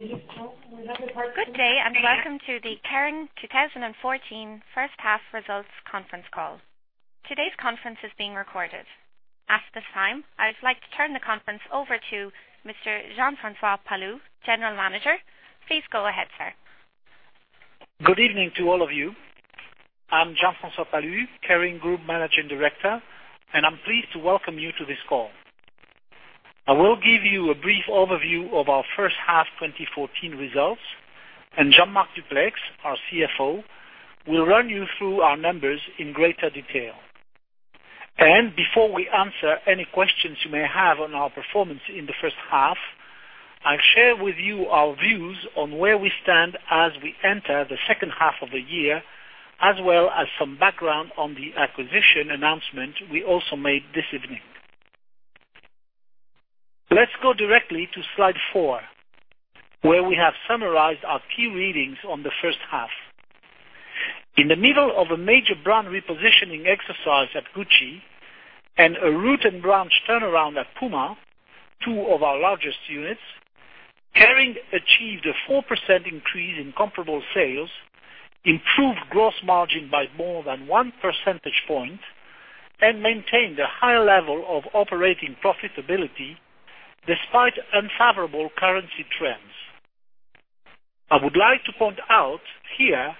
Good day. Welcome to the Kering 2014 first half results conference call. Today's conference is being recorded. At this time, I would like to turn the conference over to Mr. Jean-François Palus, general manager. Please go ahead, sir. Good evening to all of you. I'm Jean-François Palus, Kering Group Managing Director. I'm pleased to welcome you to this call. I will give you a brief overview of our first half 2014 results. Jean-Marc Duplaix, our CFO, will run you through our numbers in greater detail. Before we answer any questions you may have on our performance in the first half, I'll share with you our views on where we stand as we enter the second half of the year, as well as some background on the acquisition announcement we also made this evening. Let's go directly to slide four, where we have summarized our key readings on the first half. In the middle of a major brand repositioning exercise at Gucci and a root and branch turnaround at Puma, two of our largest units, Kering achieved a 4% increase in comparable sales, improved gross margin by more than one percentage point, and maintained a high level of operating profitability despite unfavorable currency trends. I would like to point out here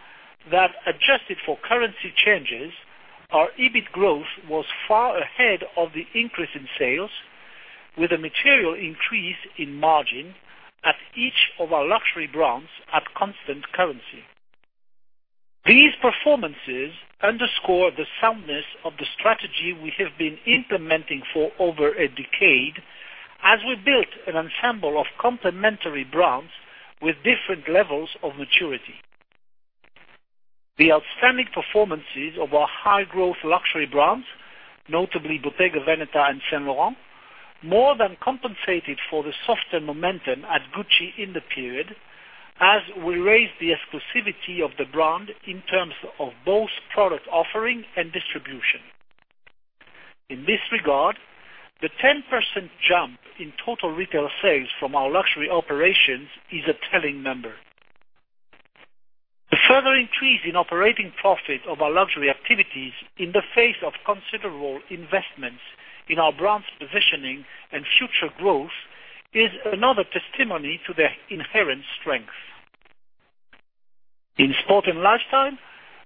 that adjusted for currency changes, our EBIT growth was far ahead of the increase in sales with a material increase in margin at each of our luxury brands at constant currency. These performances underscore the soundness of the strategy we have been implementing for over a decade as we built an ensemble of complementary brands with different levels of maturity. The outstanding performances of our high-growth luxury brands, notably Bottega Veneta and Saint Laurent, more than compensated for the softer momentum at Gucci in the period, as we raised the exclusivity of the brand in terms of both product offering and distribution. In this regard, the 10% jump in total retail sales from our luxury operations is a telling number. The further increase in operating profit of our luxury activities in the face of considerable investments in our brand's positioning and future growth is another testimony to their inherent strength. In sport and lifestyle,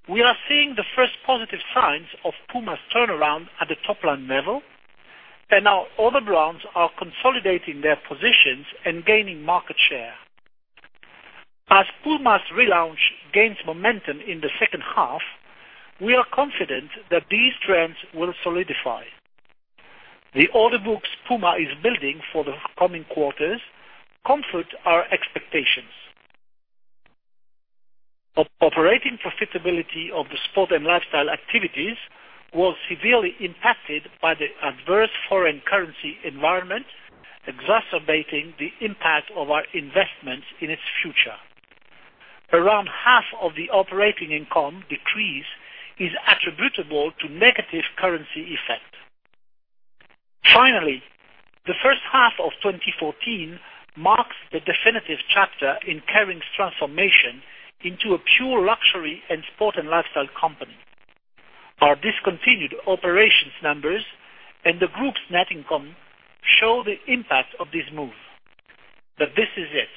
we are seeing the first positive signs of Puma's turnaround at the top-line level. Our other brands are consolidating their positions and gaining market share. As Puma's relaunch gains momentum in the second half, we are confident that these trends will solidify. The order books Puma is building for the coming quarters comfort our expectations. Operating profitability of the sport and lifestyle activities was severely impacted by the adverse foreign currency environment, exacerbating the impact of our investments in its future. Around half of the operating income decrease is attributable to negative currency effect. Finally, the first half of 2014 marks the definitive chapter in Kering's transformation into a pure luxury and sport and lifestyle company. Our discontinued operations numbers and the group's net income show the impact of this move. This is it.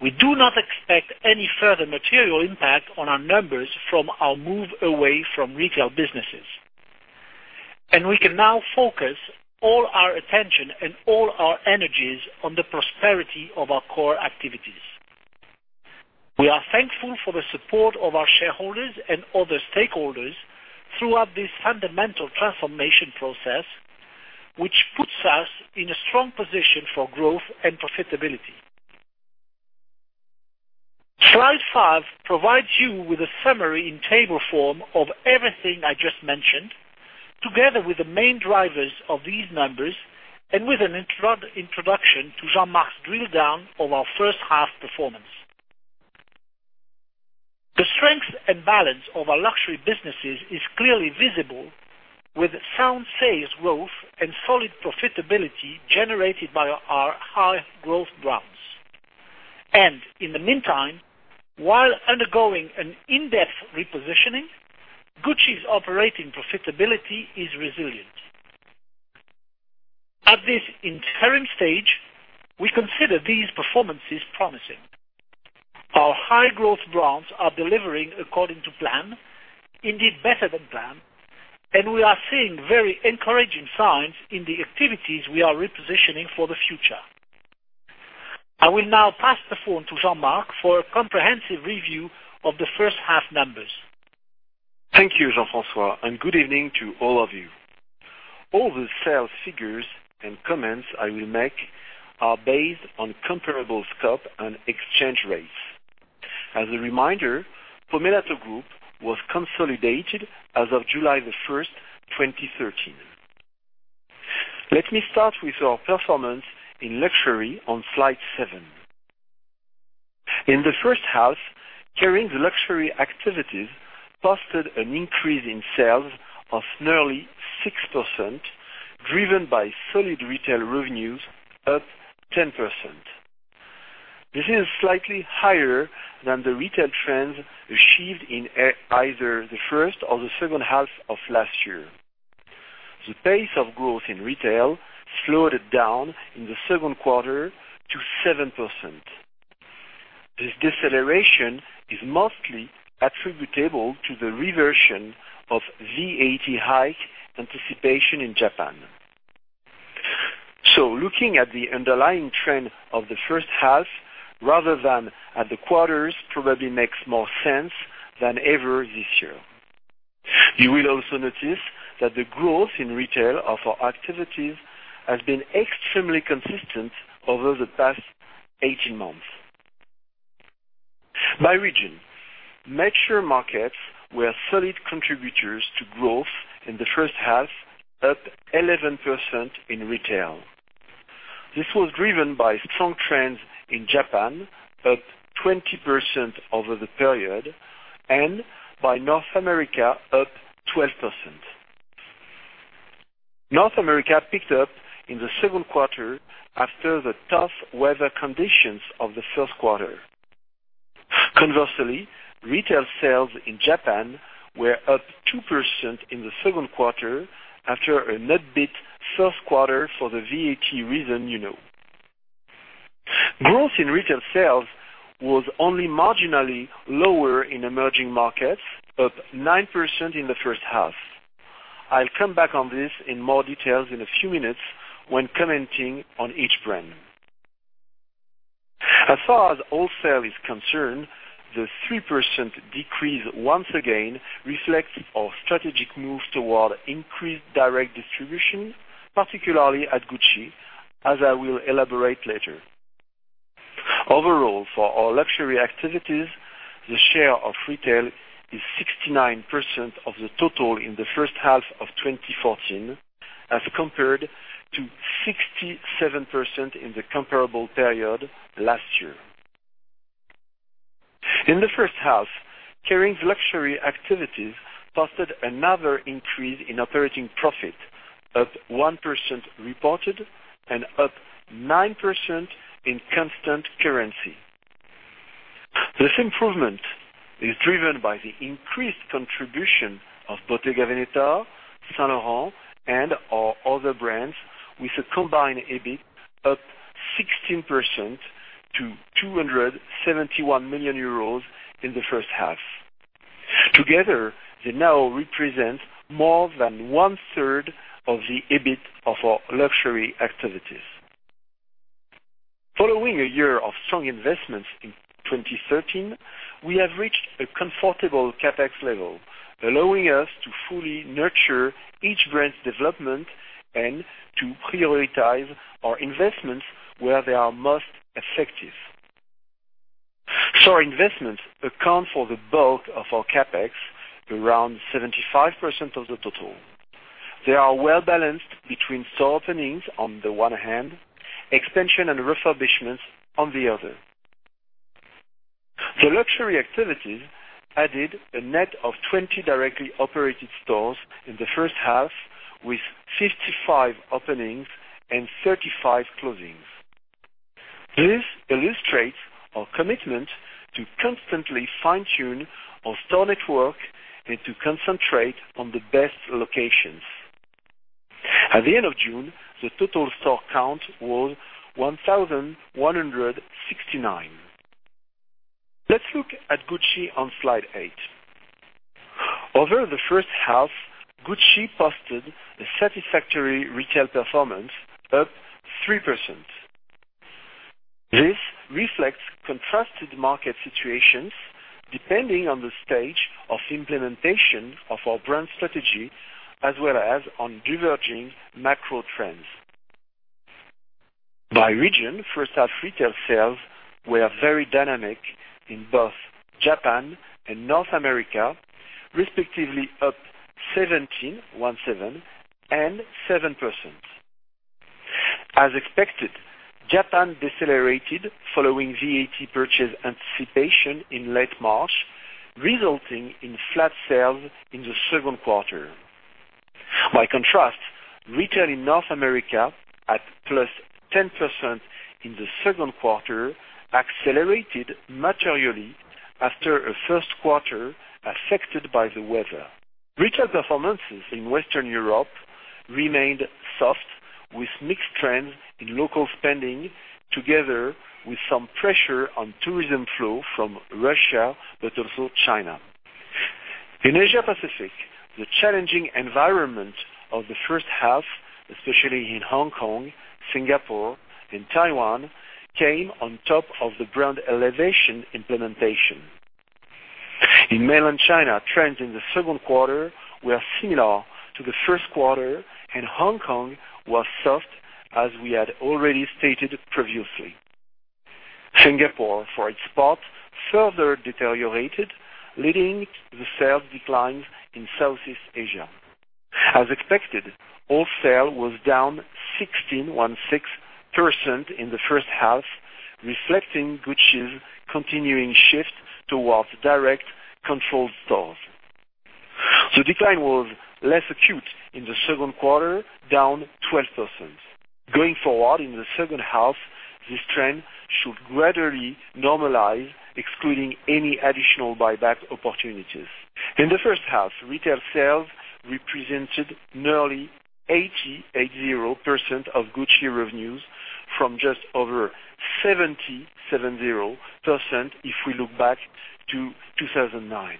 We do not expect any further material impact on our numbers from our move away from retail businesses, and we can now focus all our attention and all our energies on the prosperity of our core activities. We are thankful for the support of our shareholders and other stakeholders throughout this fundamental transformation process, which puts us in a strong position for growth and profitability. Slide five provides you with a summary in table form of everything I just mentioned, together with the main drivers of these numbers, and with an introduction to Jean-Marc's drill down of our first half performance. The strength and balance of our luxury businesses is clearly visible with sound sales growth and solid profitability generated by our high-growth brands. In the meantime, while undergoing an in-depth repositioning, Gucci's operating profitability is resilient. At this interim stage, we consider these performances promising. Our high-growth brands are delivering according to plan, indeed better than plan, and we are seeing very encouraging signs in the activities we are repositioning for the future. I will now pass the phone to Jean-Marc for a comprehensive review of the first half numbers. Thank you, Jean-François, and good evening to all of you. All the sales figures and comments I will make are based on comparable scope and exchange rates. As a reminder, Pomellato Group was consolidated as of July 1st, 2013. Let me start with our performance in luxury on slide seven. In the first half, Kering's luxury activities posted an increase in sales of nearly 6%, driven by solid retail revenues, up 10%. This is slightly higher than the retail trends achieved in either the first or the second half of last year. The pace of growth in retail slowed down in the second quarter to 7%. This deceleration is mostly attributable to the reversion of VAT hike anticipation in Japan. Looking at the underlying trend of the first half rather than at the quarters probably makes more sense than ever this year. You will also notice that the growth in retail of our activities has been extremely consistent over the past 18 months. By region, mature markets were solid contributors to growth in the first half, up 11% in retail. This was driven by strong trends in Japan, up 20% over the period, and by North America, up 12%. North America picked up in the second quarter after the tough weather conditions of the first quarter. Conversely, retail sales in Japan were up 2% in the second quarter after a nudged bit first quarter for the VAT reason you know. Growth in retail sales was only marginally lower in emerging markets, up 9% in the first half. I'll come back on this in more details in a few minutes when commenting on each brand. As far as wholesale is concerned, the 3% decrease once again reflects our strategic move toward increased direct distribution, particularly at Gucci, as I will elaborate later. Overall, for our luxury activities, the share of retail is 69% of the total in the first half of 2014 as compared to 67% in the comparable period last year. In the first half, Kering's luxury activities posted another increase in operating profit, up 1% reported and up 9% in constant currency. This improvement is driven by the increased contribution of Bottega Veneta, Saint Laurent, and our other brands with a combined EBIT up 16% to 271 million euros in the first half. Together, they now represent more than one-third of the EBIT of our luxury activities. Following a year of strong investments in 2013, we have reached a comfortable CapEx level, allowing us to fully nurture each brand's development and to prioritize our investments where they are most effective. Store investments account for the bulk of our CapEx, around 75% of the total. They are well-balanced between store openings on the one hand, extension and refurbishments on the other. The luxury activities added a net of 20 directly operated stores in the first half, with 55 openings and 35 closings. This illustrates our commitment to constantly fine-tune our store network and to concentrate on the best locations. At the end of June, the total store count was 1,169. Let's look at Gucci on slide eight. Over the first half, Gucci posted a satisfactory retail performance up 3%. This reflects contrasted market situations depending on the stage of implementation of our brand strategy as well as on diverging macro trends. By region, first-half retail sales were very dynamic in both Japan and North America, respectively up 17% and 7%. As expected, Japan decelerated following VAT purchase anticipation in late March, resulting in flat sales in the second quarter. By contrast, retail in North America at plus 10% in the second quarter accelerated materially after a first quarter affected by the weather. Retail performances in Western Europe remained soft, with mixed trends in local spending, together with some pressure on tourism flow from Russia, but also China. In Asia Pacific, the challenging environment of the first half, especially in Hong Kong, Singapore, and Taiwan, came on top of the brand elevation implementation. In mainland China, trends in the second quarter were similar to the first quarter, and Hong Kong was soft as we had already stated previously. Singapore, for its part, further deteriorated, leading to the sales declines in Southeast Asia. As expected, wholesale was down 16% in the first half, reflecting Gucci's continuing shift towards direct controlled stores. The decline was less acute in the second quarter, down 12%. Going forward in the second half, this trend should gradually normalize, excluding any additional buyback opportunities. In the first half, retail sales represented nearly 80% of Gucci revenues from just over 70% if we look back to 2009.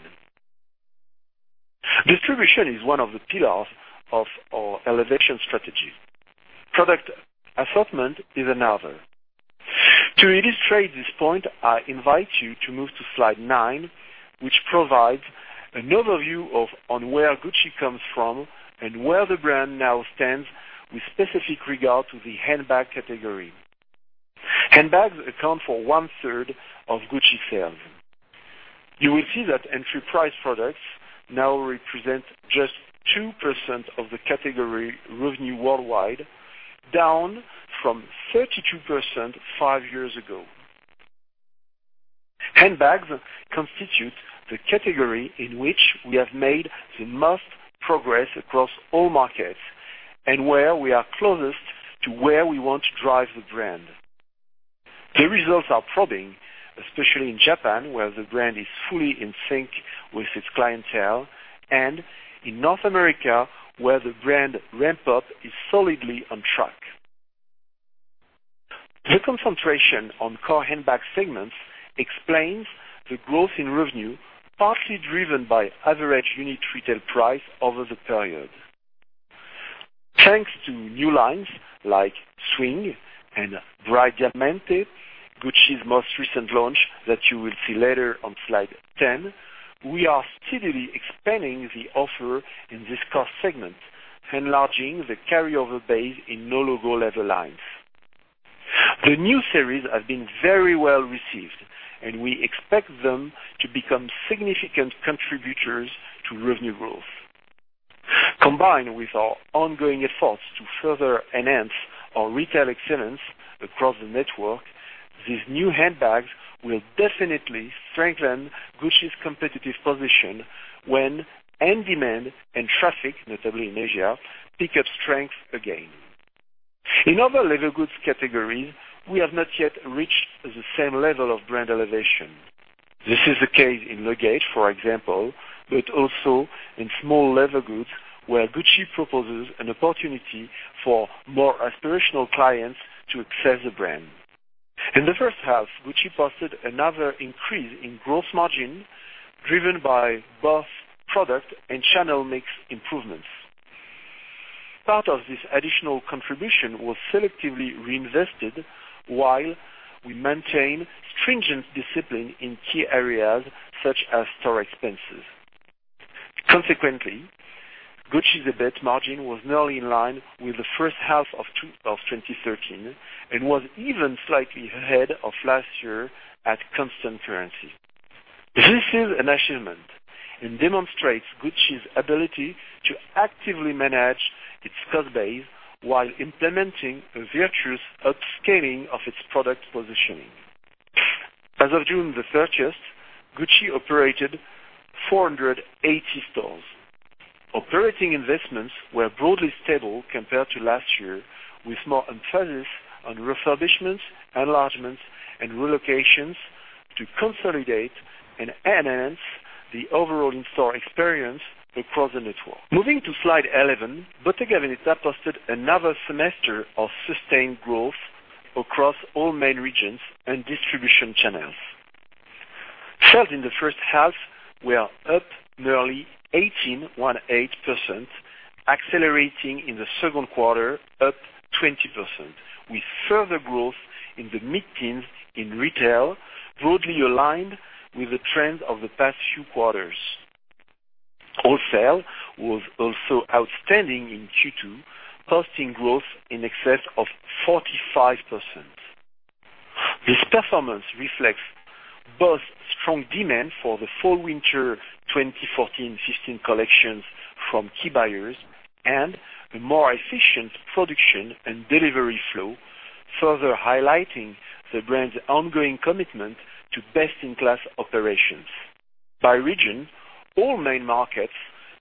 Distribution is one of the pillars of our elevation strategy. Product assortment is another. To illustrate this point, I invite you to move to slide nine, which provides an overview on where Gucci comes from and where the brand now stands with specific regard to the handbag category. Handbags account for one third of Gucci sales. You will see that entry price products now represent just 2% of the category revenue worldwide, down from 32% five years ago. Handbags constitute the category in which we have made the most progress across all markets and where we are closest to where we want to drive the brand. The results are probing, especially in Japan, where the brand is fully in sync with its clientele, and in North America, where the brand ramp-up is solidly on track. The concentration on core handbag segments explains the growth in revenue, partly driven by average unit retail price over the period. Thanks to new lines like Swing and Bright Diamanté, Gucci's most recent launch that you will see later on slide 10, we are steadily expanding the offer in this core segment, enlarging the carryover base in no logo leather lines. The new series have been very well received, and we expect them to become significant contributors to revenue growth. Combined with our ongoing efforts to further enhance our retail excellence across the network, these new handbags will definitely strengthen Gucci's competitive position when end demand and traffic, notably in Asia, pick up strength again. In other leather goods categories, we have not yet reached the same level of brand elevation. This is the case in luggage, for example, but also in small leather goods where Gucci proposes an opportunity for more aspirational clients to access the brand. In the first half, Gucci posted another increase in gross margin, driven by both product and channel mix improvements. Part of this additional contribution was selectively reinvested while we maintain stringent discipline in key areas such as store expenses. Consequently, Gucci's EBIT margin was nearly in line with the first half of 2013 and was even slightly ahead of last year at constant currency. This is an achievement and demonstrates Gucci's ability to actively manage its cost base while implementing a virtuous upscaling of its product positioning. As of June the 30th, Gucci operated 480 stores. Operating investments were broadly stable compared to last year, with more emphasis on refurbishments, enlargements, and relocations to consolidate and enhance the overall in-store experience across the network. Moving to slide 11, Bottega Veneta posted another semester of sustained growth across all main regions and distribution channels. Sales in the first half were up nearly 18%, 18%, accelerating in the second quarter, up 20%, with further growth in the mid-teens in retail, broadly aligned with the trend of the past few quarters. Wholesale was also outstanding in Q2, posting growth in excess of 45%. This performance reflects both strong demand for the fall/winter 2014/15 collections from key buyers and a more efficient production and delivery flow, further highlighting the brand's ongoing commitment to best-in-class operations. By region, all main markets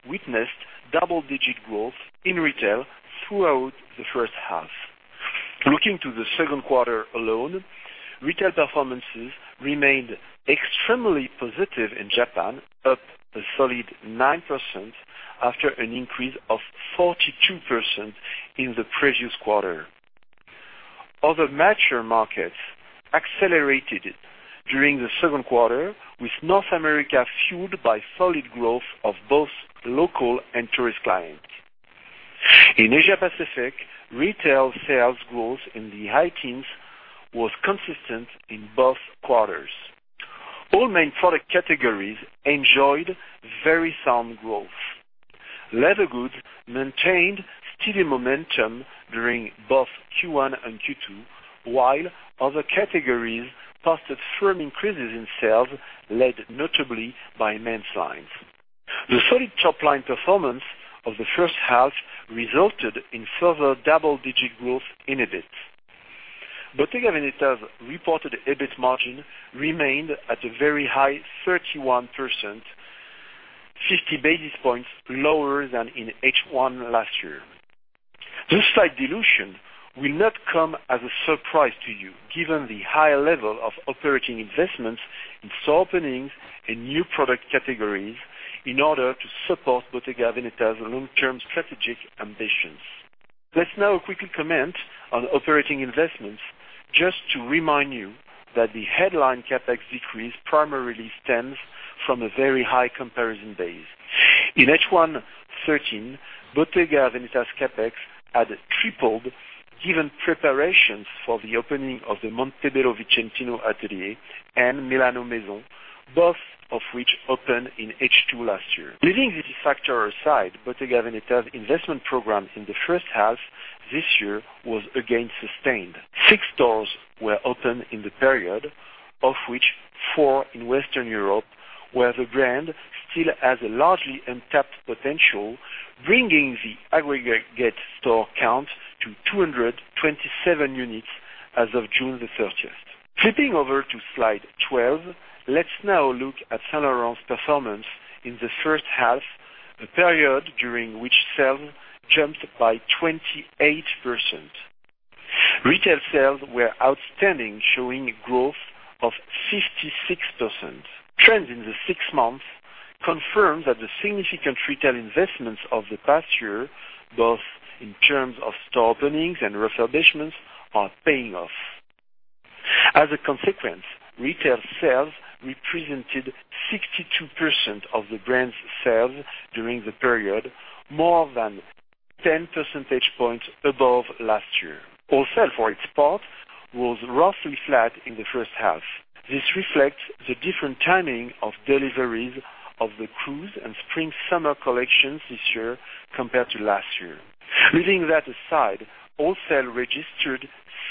witnessed double-digit growth in retail throughout the first half. Looking to the second quarter alone, retail performances remained extremely positive in Japan, up a solid 9% after an increase of 42% in the previous quarter. Other mature markets accelerated during the second quarter, with North America fueled by solid growth of both local and tourist clients. In Asia Pacific, retail sales growth in the high teens was consistent in both quarters. All main product categories enjoyed very sound growth. Leather goods maintained the momentum during both Q1 and Q2, while other categories posted firm increases in sales, led notably by men's lines. The solid top-line performance of the first half resulted in further double-digit growth in EBIT. Bottega Veneta's reported EBIT margin remained at a very high 31%, 50 basis points lower than in H1 last year. This slight dilution will not come as a surprise to you, given the high level of operating investments in store openings and new product categories in order to support Bottega Veneta's long-term strategic ambitions. Let's now quickly comment on operating investments. Just to remind you that the headline CapEx decrease primarily stems from a very high comparison base. In H1 2013, Bottega Veneta's CapEx had tripled, given preparations for the opening of the Montebello Vicentino atelier and Milan Maison, both of which opened in H2 last year. Leaving this factor aside, Bottega Veneta's investment program in the first half this year was again sustained. Six stores were opened in the period, of which four in Western Europe, where the brand still has a largely untapped potential, bringing the aggregate store count to 227 units as of June 30th. Flipping over to slide 12, let's now look at Saint Laurent's performance in the first half, the period during which sales jumped by 28%. Retail sales were outstanding, showing a growth of 56%. Trends in the six months confirm that the significant retail investments of the past year, both in terms of store openings and refurbishments, are paying off. As a consequence, retail sales represented 62% of the brand's sales during the period, more than 10 percentage points above last year. Wholesale, for its part, was roughly flat in the first half. This reflects the different timing of deliveries of the cruise and spring/summer collections this year compared to last year. Leaving that aside, wholesale registered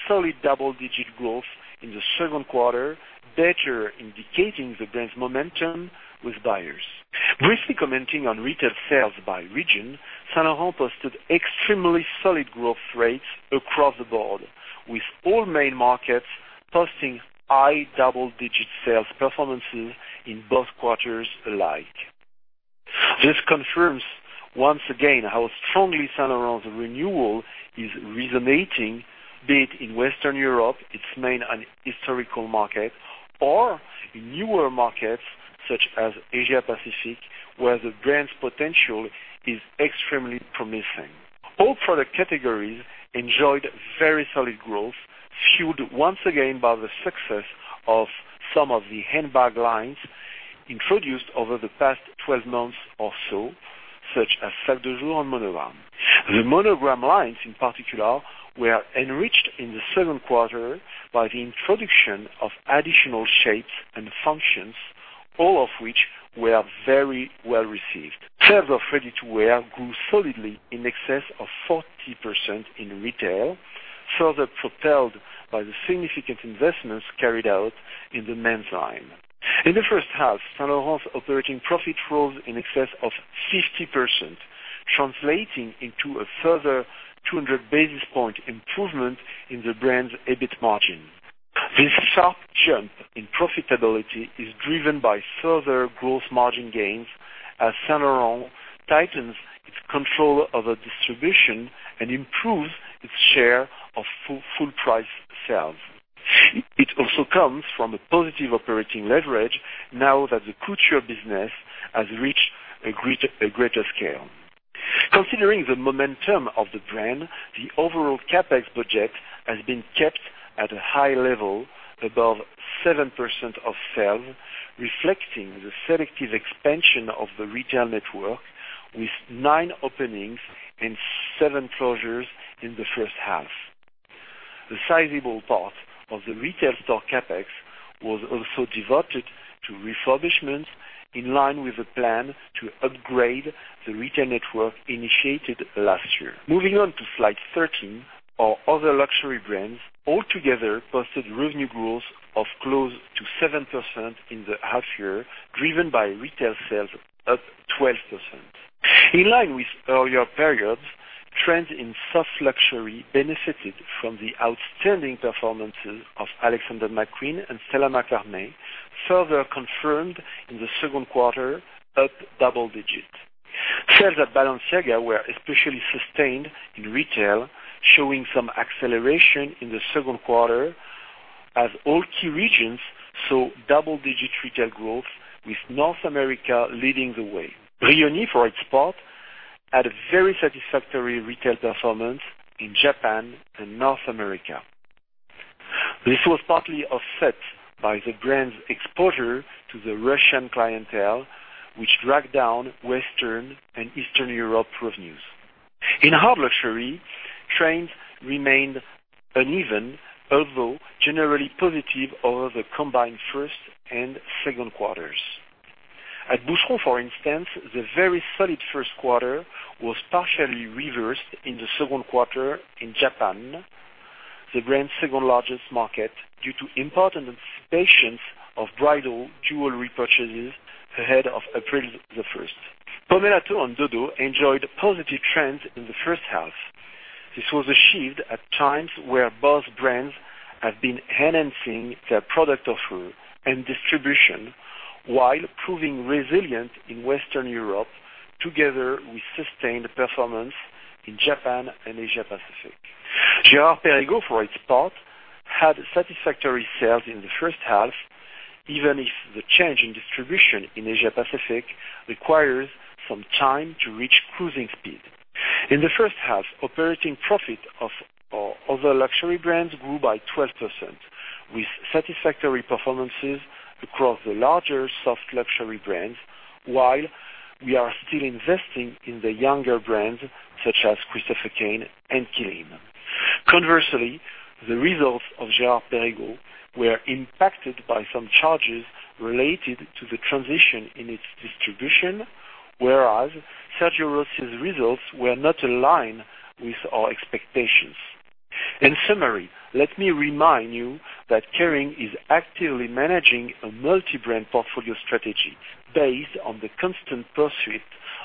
solid double-digit growth in the second quarter, better indicating the brand's momentum with buyers. Briefly commenting on retail sales by region, Saint Laurent posted extremely solid growth rates across the board, with all main markets posting high double-digit sales performances in both quarters alike. This confirms once again how strongly Saint Laurent's renewal is resonating, be it in Western Europe, its main and historical market, or in newer markets such as Asia-Pacific, where the brand's potential is extremely promising. All product categories enjoyed very solid growth, fueled once again by the success of some of the handbag lines introduced over the past 12 months or so, such as Sac de Jour and Monogram. The Monogram lines, in particular, were enriched in the second quarter by the introduction of additional shapes and functions, all of which were very well-received. Sales of ready-to-wear grew solidly in excess of 40% in retail, further propelled by the significant investments carried out in the men's line. In the first half, Saint Laurent's operating profit rose in excess of 50%, translating into a further 200 basis point improvement in the brand's EBIT margin. This sharp jump in profitability is driven by further growth margin gains as Saint Laurent tightens its control over distribution and improves its share of full price sales. It also comes from a positive operating leverage now that the couture business has reached a greater scale. Considering the momentum of the brand, the overall CapEx budget has been kept at a high level above 7% of sales, reflecting the selective expansion of the retail network with nine openings and seven closures in the first half. The sizable part of the retail store CapEx was also devoted to refurbishments in line with the plan to upgrade the retail network initiated last year. Moving on to slide 13, our other Luxury brands altogether posted revenue growth of close to 7% in the half year, driven by retail sales up 12%. In line with earlier periods, trends in Soft Luxury benefited from the outstanding performances of Alexander McQueen and Stella McCartney, further confirmed in the second quarter up double digits. Sales at Balenciaga were especially sustained in retail, showing some acceleration in the second quarter as all key regions saw double-digit retail growth, with North America leading the way. Brioni, for its part, had a very satisfactory retail performance in Japan and North America. This was partly offset by the brand's exposure to the Russian clientele, which dragged down Western and Eastern Europe revenues. In Hard Luxury, trends remained uneven, although generally positive over the combined first and second quarters. At Boucheron, for instance, the very solid first quarter was partially reversed in the second quarter in Japan, the brand's second-largest market, due to important anticipations of bridal jewelry purchases ahead of April the 1st. Pomellato and Dodo enjoyed positive trends in the first half. This was achieved at times where both brands have been enhancing their product offer and distribution while proving resilient in Western Europe together with sustained performance in Japan and Asia Pacific. Girard-Perregaux, for its part, had satisfactory sales in the first half, even if the change in distribution in Asia Pacific requires some time to reach cruising speed. In the first half, operating profit of our other luxury brands grew by 12%, with satisfactory performances across the larger soft luxury brands while we are still investing in the younger brands such as Christopher Kane and Kilian. Conversely, the results of Girard-Perregaux were impacted by some charges related to the transition in its distribution, whereas Sergio Rossi's results were not aligned with our expectations. In summary, let me remind you that Kering is actively managing a multi-brand portfolio strategy based on the constant pursuit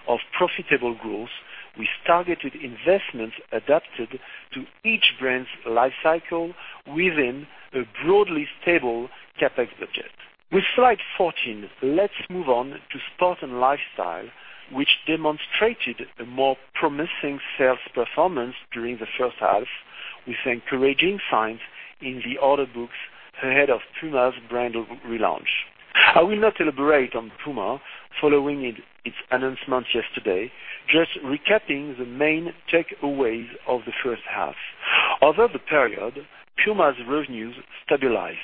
of profitable growth with targeted investments adapted to each brand's life cycle within a broadly stable CapEx budget. With slide 14, let's move on to sport and lifestyle, which demonstrated a more promising sales performance during the first half, with encouraging signs in the order books ahead of Puma's brand relaunch. I will not elaborate on Puma following its announcement yesterday, just recapping the main takeaways of the first half. Over the period, Puma's revenues stabilized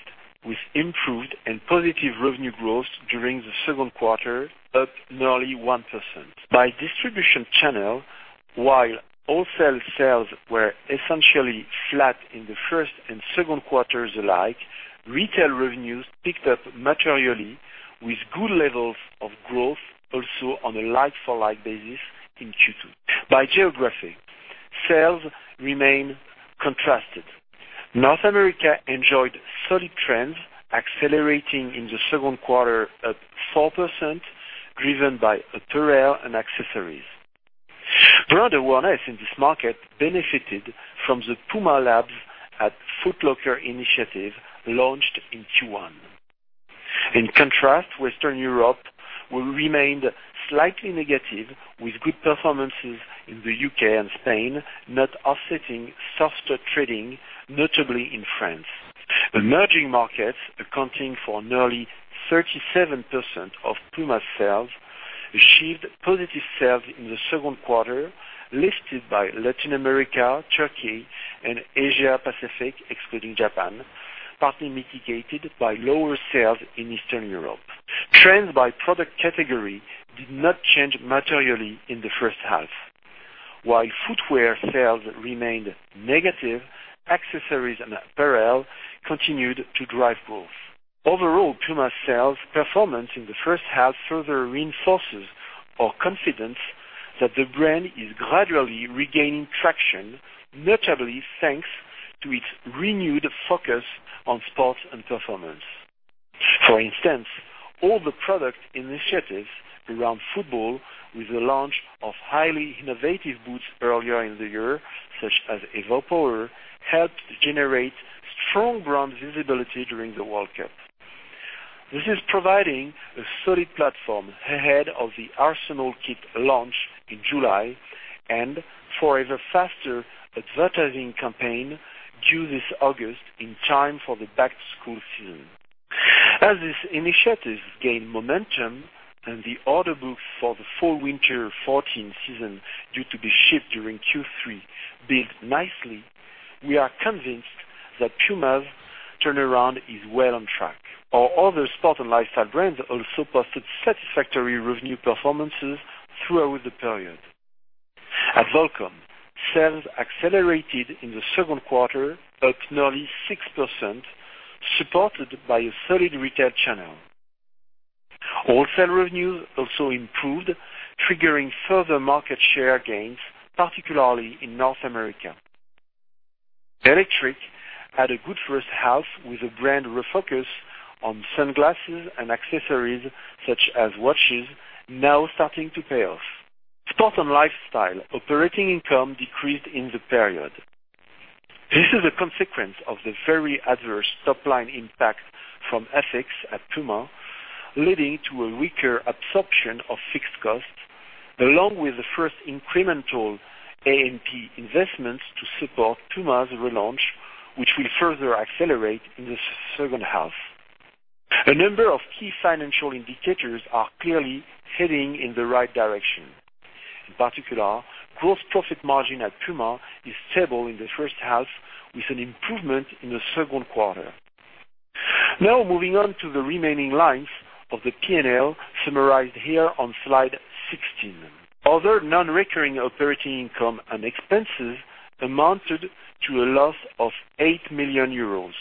with improved and positive revenue growth during the second quarter, up nearly 1%. By distribution channel, while wholesale sales were essentially flat in the first and second quarters alike, retail revenues picked up materially with good levels of growth also on a like-for-like basis in Q2. By geography, sales remain contrasted. North America enjoyed solid trends, accelerating in the second quarter at 4%, driven by apparel and accessories. Brand awareness in this market benefited from the Puma Lab at Foot Locker initiative launched in Q1. In contrast, Western Europe remained slightly negative, with good performances in the U.K. and Spain not offsetting softer trading, notably in France. The emerging markets, accounting for nearly 37% of Puma sales, achieved positive sales in the second quarter, lifted by Latin America, Turkey, and Asia-Pacific, excluding Japan, partly mitigated by lower sales in Eastern Europe. Trends by product category did not change materially in the first half. While footwear sales remained negative, accessories and apparel continued to drive growth. Overall, Puma's sales performance in the first half further reinforces our confidence that the brand is gradually regaining traction, notably thanks to its renewed focus on sport and performance. For instance, all the product initiatives around football with the launch of highly innovative boots earlier in the year, such as evoPOWER, helped generate strong brand visibility during the World Cup. This is providing a solid platform ahead of the Arsenal kit launch in July and Forever Faster advertising campaign due this August in time for the back-to-school season. As these initiatives gain momentum, and the order book for the fall/winter 2014 season due to be shipped during Q3 build nicely, we are convinced that Puma's turnaround is well on track. Our other sport and lifestyle brands also posted satisfactory revenue performances throughout the period. At Volcom, sales accelerated in the second quarter, up nearly 6%, supported by a solid retail channel. Wholesale revenues also improved, triggering further market share gains, particularly in North America. Electric had a good first half with a brand refocus on sunglasses and accessories such as watches now starting to pay off. Sport and lifestyle operating income decreased in the period. This is a consequence of the very adverse top-line impact from FX at Puma, leading to a weaker absorption of fixed costs, along with the first incremental A&P investments to support Puma's relaunch, which will further accelerate in the second half. A number of key financial indicators are clearly heading in the right direction. In particular, gross profit margin at Puma is stable in the first half, with an improvement in the second quarter. Now moving on to the remaining lines of the P&L summarized here on slide 16. Other non-recurring operating income and expenses amounted to a loss of 8 million euros.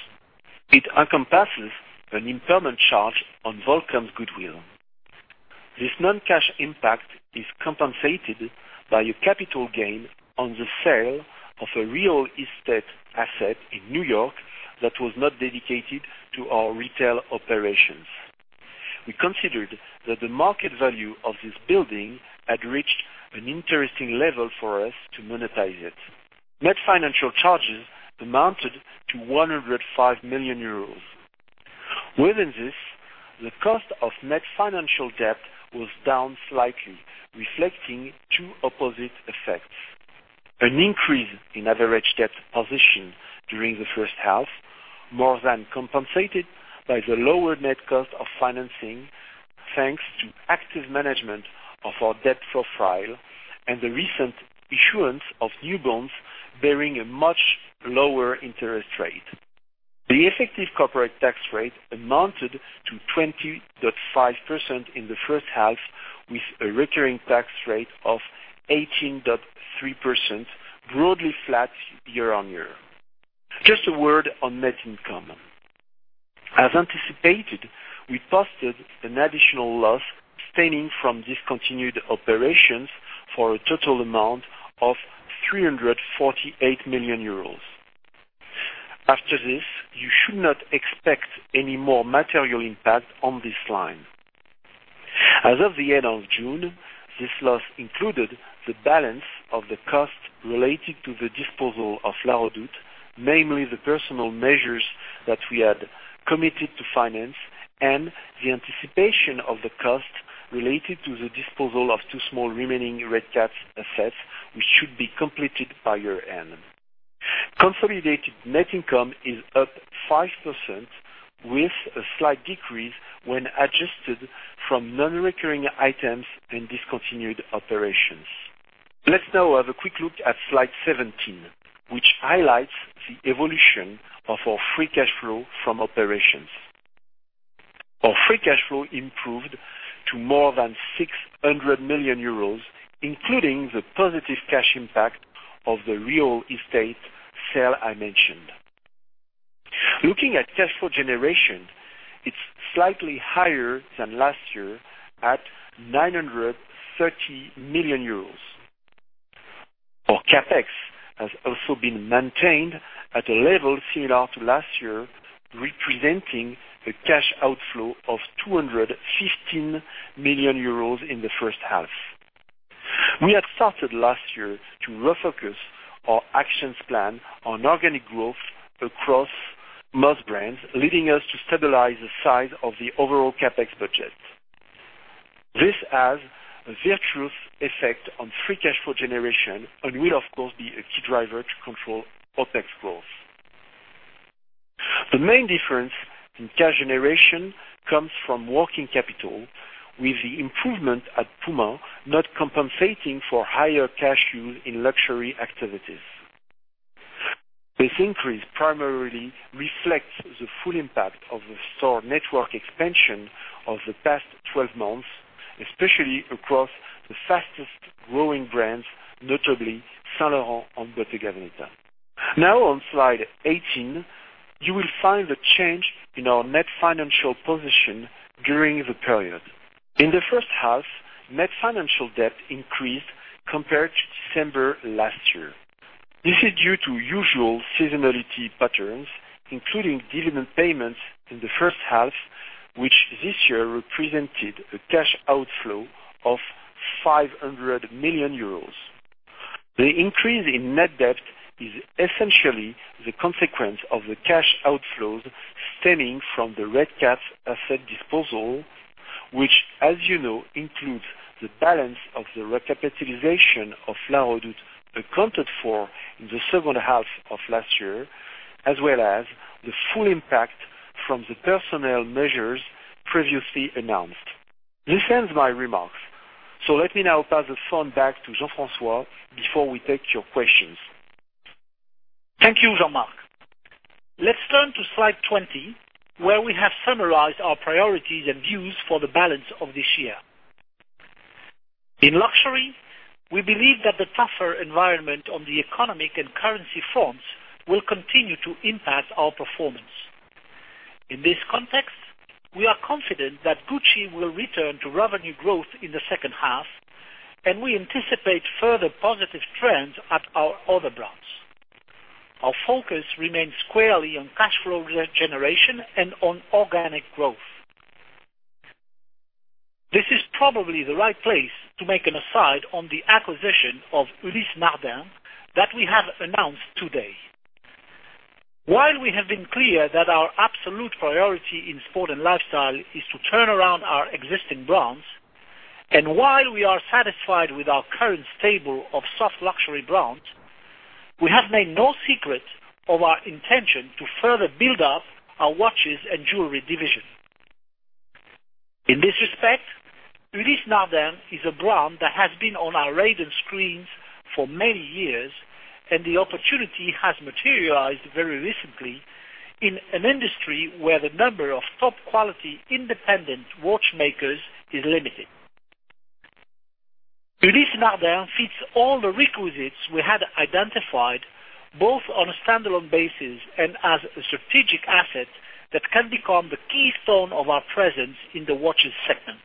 It encompasses an impairment charge on Volcom's goodwill. This non-cash impact is compensated by a capital gain on the sale of a real estate asset in N.Y. that was not dedicated to our retail operations. We considered that the market value of this building had reached an interesting level for us to monetize it. Net financial charges amounted to 105 million euros. Within this, the cost of net financial debt was down slightly, reflecting two opposite effects. An increase in average debt position during the first half, more than compensated by the lower net cost of financing, thanks to active management of our debt profile and the recent issuance of new bonds bearing a much lower interest rate. The effective corporate tax rate amounted to 20.5% in the first half, with a recurring tax rate of 18.3%, broadly flat year-over-year. Just a word on net income. As anticipated, we posted an additional loss stemming from discontinued operations for a total amount of 348 million euros. After this, you should not expect any more material impact on this line. As of the end of June, this loss included the balance of the cost related to the disposal of La Redoute, namely the personal measures that we had committed to finance and the anticipation of the cost related to the disposal of two small remaining Redcats assets, which should be completed by year-end. Consolidated net income is up 5% with a slight decrease when adjusted from non-recurring items and discontinued operations. Let's now have a quick look at slide 17, which highlights the evolution of our free cash flow from operations. Our free cash flow improved to more than 600 million euros, including the positive cash impact of the real estate sale I mentioned. Looking at cash flow generation, it's slightly higher than last year at 930 million euros. Our CapEx has also been maintained at a level similar to last year, representing a cash outflow of 215 million euros in the first half. We had started last year to refocus our actions plan on organic growth across most brands, leading us to stabilize the size of the overall CapEx budget. This has a virtuous effect on free cash flow generation and will of course be a key driver to control OpEx growth. The main difference in cash generation comes from working capital, with the improvement at Puma not compensating for higher cash use in luxury activities. This increase primarily reflects the full impact of the store network expansion of the past 12 months, especially across the fastest-growing brands, notably Saint Laurent and Bottega Veneta. Now on slide 18, you will find the change in our net financial position during the period. In the first half, net financial debt increased compared to December last year. This is due to usual seasonality patterns, including dividend payments in the first half, which this year represented a cash outflow of 500 million euros. The increase in net debt is essentially the consequence of the cash outflows stemming from the Redcats asset disposal, which, as you know, includes the balance of the recapitalization of La Redoute accounted for in the second half of last year, as well as the full impact from the personnel measures previously announced. This ends my remarks. Let me now pass the phone back to Jean-François before we take your questions. Thank you, Jean-Marc. Let's turn to slide 20, where we have summarized our priorities and views for the balance of this year. In luxury, we believe that the tougher environment on the economic and currency fronts will continue to impact our performance. In this context, we are confident that Gucci will return to revenue growth in the second half, and we anticipate further positive trends at our other brands. Our focus remains squarely on cash flow generation and on organic growth. This is probably the right place to make an aside on the acquisition of Ulysse Nardin that we have announced today. While we have been clear that our absolute priority in sport and lifestyle is to turn around our existing brands, and while we are satisfied with our current stable of soft luxury brands, we have made no secret of our intention to further build up our watches and jewelry division. In this respect, Ulysse Nardin is a brand that has been on our radar screens for many years, and the opportunity has materialized very recently in an industry where the number of top-quality independent watchmakers is limited. Ulysse Nardin fits all the requisites we had identified, both on a standalone basis and as a strategic asset that can become the keystone of our presence in the watches segment.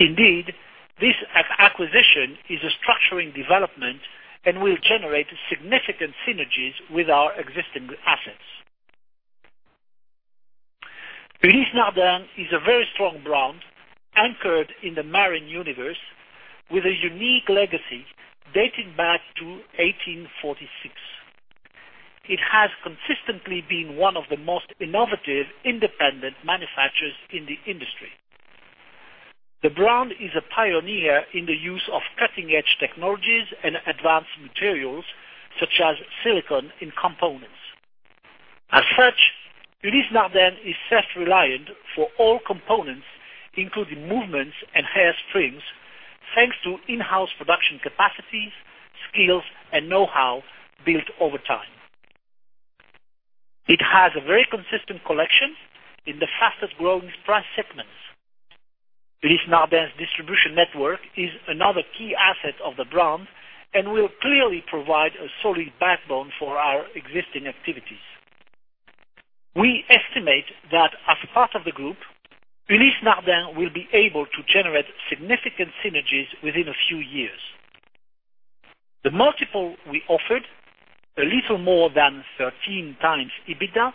Indeed, this acquisition is a structuring development and will generate significant synergies with our existing assets. Ulysse Nardin is a very strong brand, anchored in the marine universe, with a unique legacy dating back to 1846. It has consistently been one of the most innovative, independent manufacturers in the industry. The brand is a pioneer in the use of cutting-edge technologies and advanced materials, such as silicon in components. As such, Ulysse Nardin is self-reliant for all components, including movements and hairsprings, thanks to in-house production capacities, skills, and know-how built over time. It has a very consistent collection in the fastest-growing price segments. Ulysse Nardin's distribution network is another key asset of the brand, and will clearly provide a solid backbone for our existing activities. We estimate that as part of the group, Ulysse Nardin will be able to generate significant synergies within a few years. The multiple we offered, a little more than 13 times EBITDA,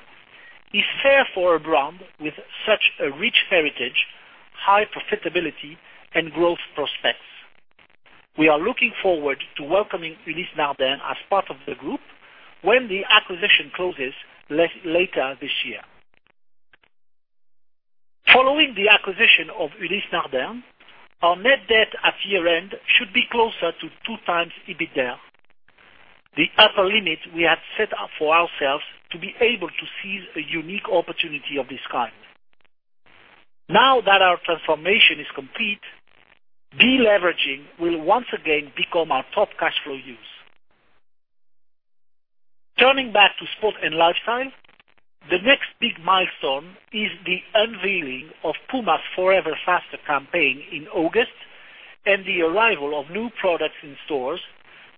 is fair for a brand with such a rich heritage, high profitability, and growth prospects. We are looking forward to welcoming Ulysse Nardin as part of the group when the acquisition closes later this year. Following the acquisition of Ulysse Nardin, our net debt at year-end should be closer to two times EBITDA, the upper limit we had set up for ourselves to be able to seize a unique opportunity of this kind. Now that our transformation is complete, de-leveraging will once again become our top cash flow use. Turning back to sport and lifestyle, the next big milestone is the unveiling of Puma's Forever Faster campaign in August, and the arrival of new products in stores,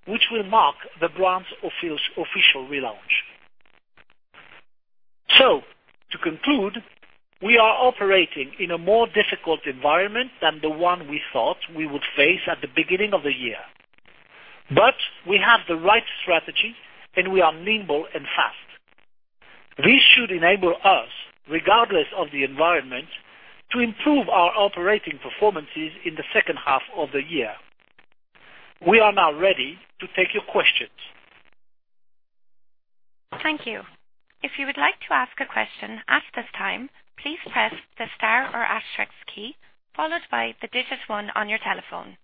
which will mark the brand's official relaunch. To conclude, we are operating in a more difficult environment than the one we thought we would face at the beginning of the year. We have the right strategy, and we are nimble and fast. This should enable us, regardless of the environment, to improve our operating performances in the second half of the year. We are now ready to take your questions. Thank you. If you would like to ask a question at this time, please press the star or asterisk key, followed by the digits one on your telephone.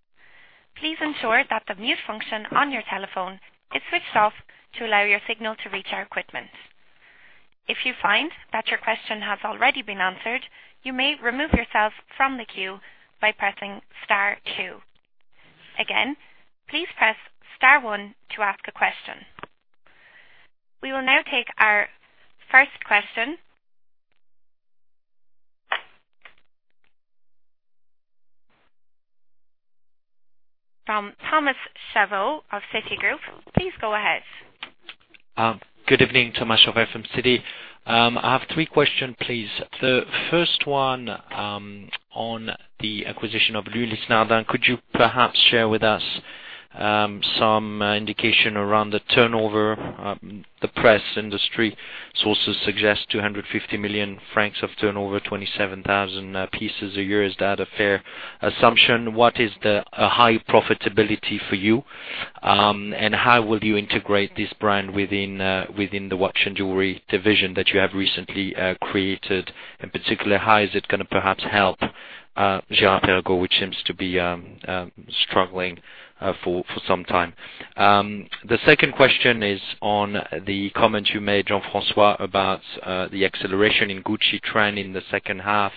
Please ensure that the mute function on your telephone is switched off to allow your signal to reach our equipment. If you find that your question has already been answered, you may remove yourself from the queue by pressing star two. Again, please press star one to ask a question. We will now take our first question from Thomas Chauvet of Citigroup. Please go ahead. Good evening, Thomas Chauvet from Citi. I have three question, please. The first one on the acquisition of Ulysse Nardin. Could you perhaps share with us some indication around the turnover? The press industry sources suggest 250 million francs of turnover, 27,000 pieces a year. Is that a fair assumption? What is the high profitability for you? And how will you integrate this brand within the watch and jewelry division that you have recently created? In particular, how is it gonna perhaps help Girard-Perregaux, which seems to be struggling for some time. The second question is on the comment you made, Jean-François, about the acceleration in Gucci trend in the second half.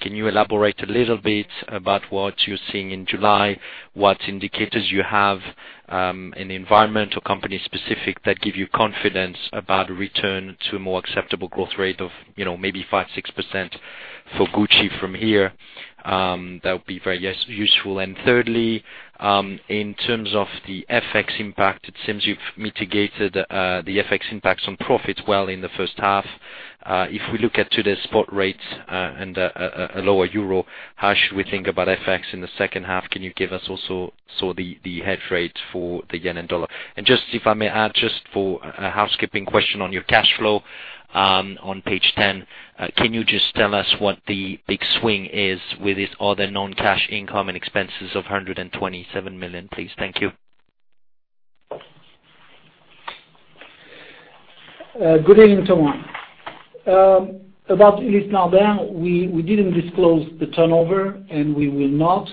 Can you elaborate a little bit about what you're seeing in July? What indicators you have in the environment or company specific that give you confidence about a return to a more acceptable growth rate of maybe 5%-6% for Gucci from here? That would be very useful. Thirdly, in terms of the FX impact, it seems you've mitigated the FX impacts on profits well in the first half. If we look at today's spot rates and a lower euro, how should we think about FX in the second half? Can you give us also the hedge rate for the JPY and USD? And just if I may add, just for a housekeeping question on your cash flow, on page 10, can you just tell us what the big swing is with this other non-cash income and expenses of 127 million, please? Thank you. Good evening, Thomas. About Ulysse Nardin, we didn't disclose the turnover. We will not.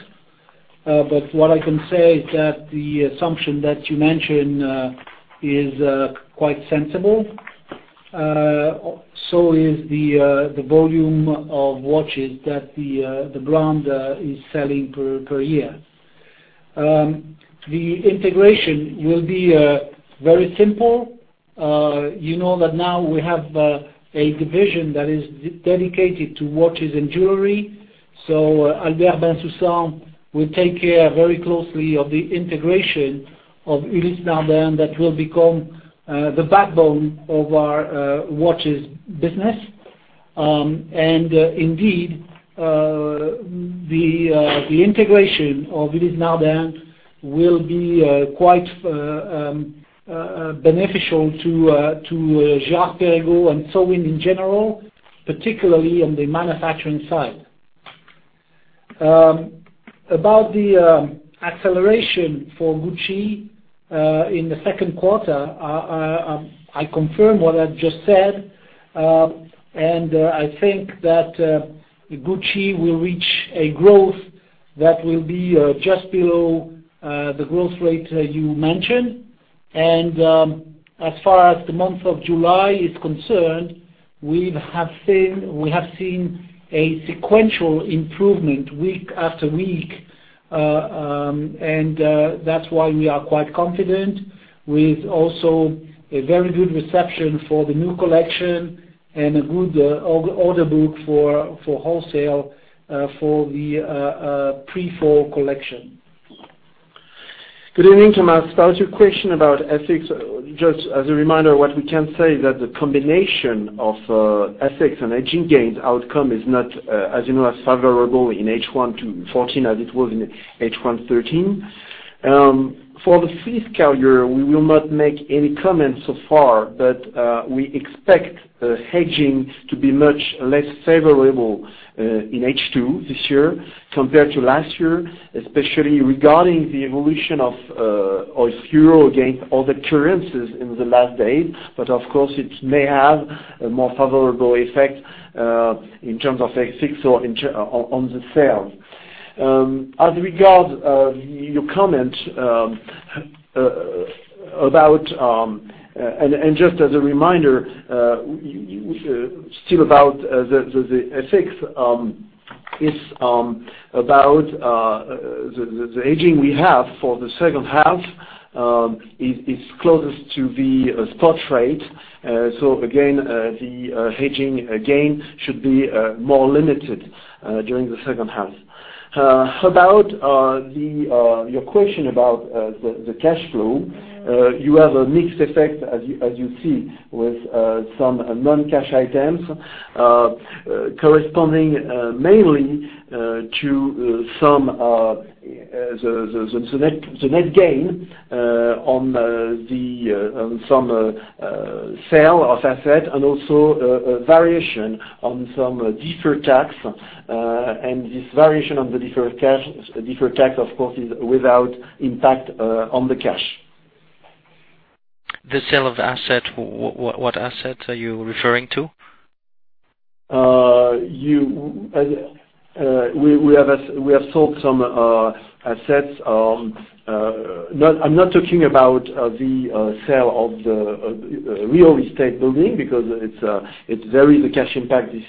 But what I can say is that the assumption that you mentioned is quite sensible. So is the volume of watches that the brand is selling per year. The integration will be very simple You know that now we have a division that is dedicated to watches and jewelry. Albert Bensoussan will take care very closely of the integration of Ulysse Nardin that will become the backbone of our watches business. Indeed, the integration of Ulysse Nardin will be quite beneficial to JeanRichard and Sowind in general, particularly on the manufacturing side. About the acceleration for Gucci in the second quarter, I confirm what I've just said. I think that Gucci will reach a growth that will be just below the growth rate you mentioned. As far as the month of July is concerned, we have seen a sequential improvement week after week. That's why we are quite confident with also a very good reception for the new collection and a good order book for wholesale for the pre-fall collection. Good evening, Thomas. About your question about FX, just as a reminder, what we can say is that the combination of FX and hedging gains outcome is not, as you know, as favorable in H1 2014 as it was in H1 2013. For the full fiscal year, we will not make any comments so far, but we expect hedging to be much less favorable in H2 this year compared to last year, especially regarding the evolution of euro against other currencies in the last days. Of course, it may have a more favorable effect in terms of FX or on the sales. As regard your comment. Just as a reminder, still about the FX, is about the hedging we have for the second half. It's closest to the spot rate. Again, the hedging gain should be more limited during the second half. About your question about the cash flow, you have a mixed effect, as you see, with some non-cash items corresponding mainly to the net gain on some sale of asset and also a variation on some deferred tax. This variation on the deferred tax, of course, is without impact on the cash. The sale of asset, what asset are you referring to? We have sold some assets. I'm not talking about the sale of the real estate building because it varies the cash impact in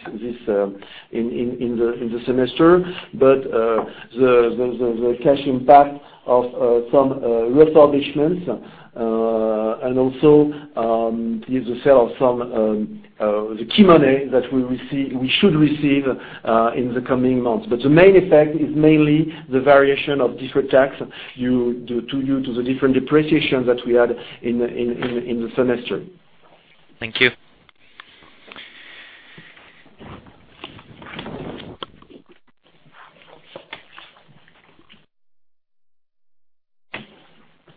the semester. The cash impact of some refurbishments and also is the sale of some, the Kymane that we should receive in the coming months. The main effect is mainly the variation of deferred tax due to the different depreciation that we had in the semester. Thank you.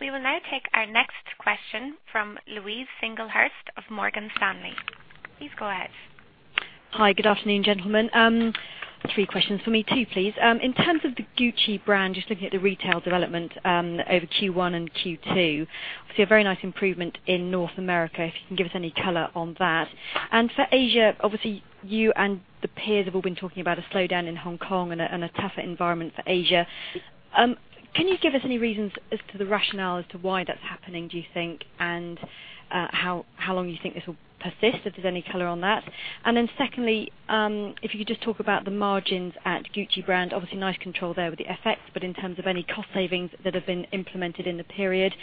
We will now take our next question from Louise Singlehurst of Morgan Stanley. Please go ahead. Hi. Good afternoon, gentlemen. Three questions from me too, please. In terms of the Gucci brand, just looking at the retail development over Q1 and Q2, obviously a very nice improvement in North America, if you can give us any color on that. For Asia, obviously, you and the peers have all been talking about a slowdown in Hong Kong and a tougher environment for Asia. Can you give us any reasons as to the rationale as to why that's happening, do you think, and how long you think this will persist, if there's any color on that? Secondly, if you could just talk about the margins at Gucci brand. Obviously nice control there with the FX, but in terms of any cost savings that have been implemented in the period.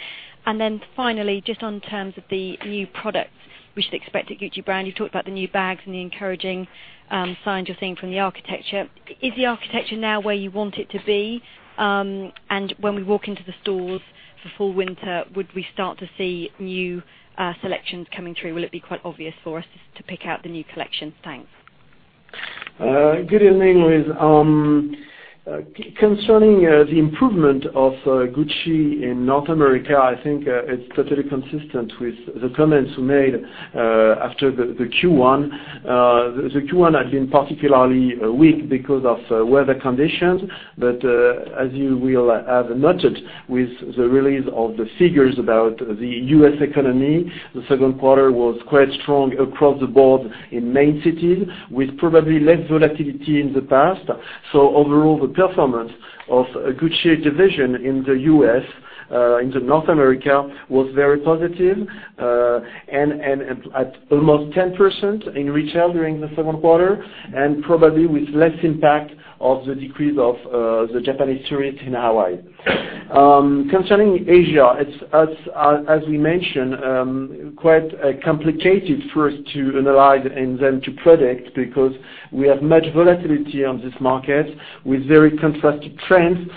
Finally, just on terms of the new products we should expect at Gucci brand. You talked about the new bags and the encouraging signs you're seeing from the architecture. Is the architecture now where you want it to be? When we walk into the stores for fall-winter, would we start to see new selections coming through? Will it be quite obvious for us to pick out the new collections? Thanks. Good evening, Louise. Concerning the improvement of Gucci in North America, I think it's totally consistent with the comments we made after the Q1. The Q1 had been particularly weak because of weather conditions, but as you will have noted with the release of the figures about the U.S. economy, the second quarter was quite strong across the board in main cities with probably less volatility in the past. Overall, the performance of Gucci division in the U.S., in the North America, was very positive, and at almost 10% in retail during the second quarter and probably with less impact of the decrease of the Japanese tourist in Hawaii. Concerning Asia, as we mentioned, quite a complicated for us to analyze and then to predict because we have much volatility on this market with very contrasting trends,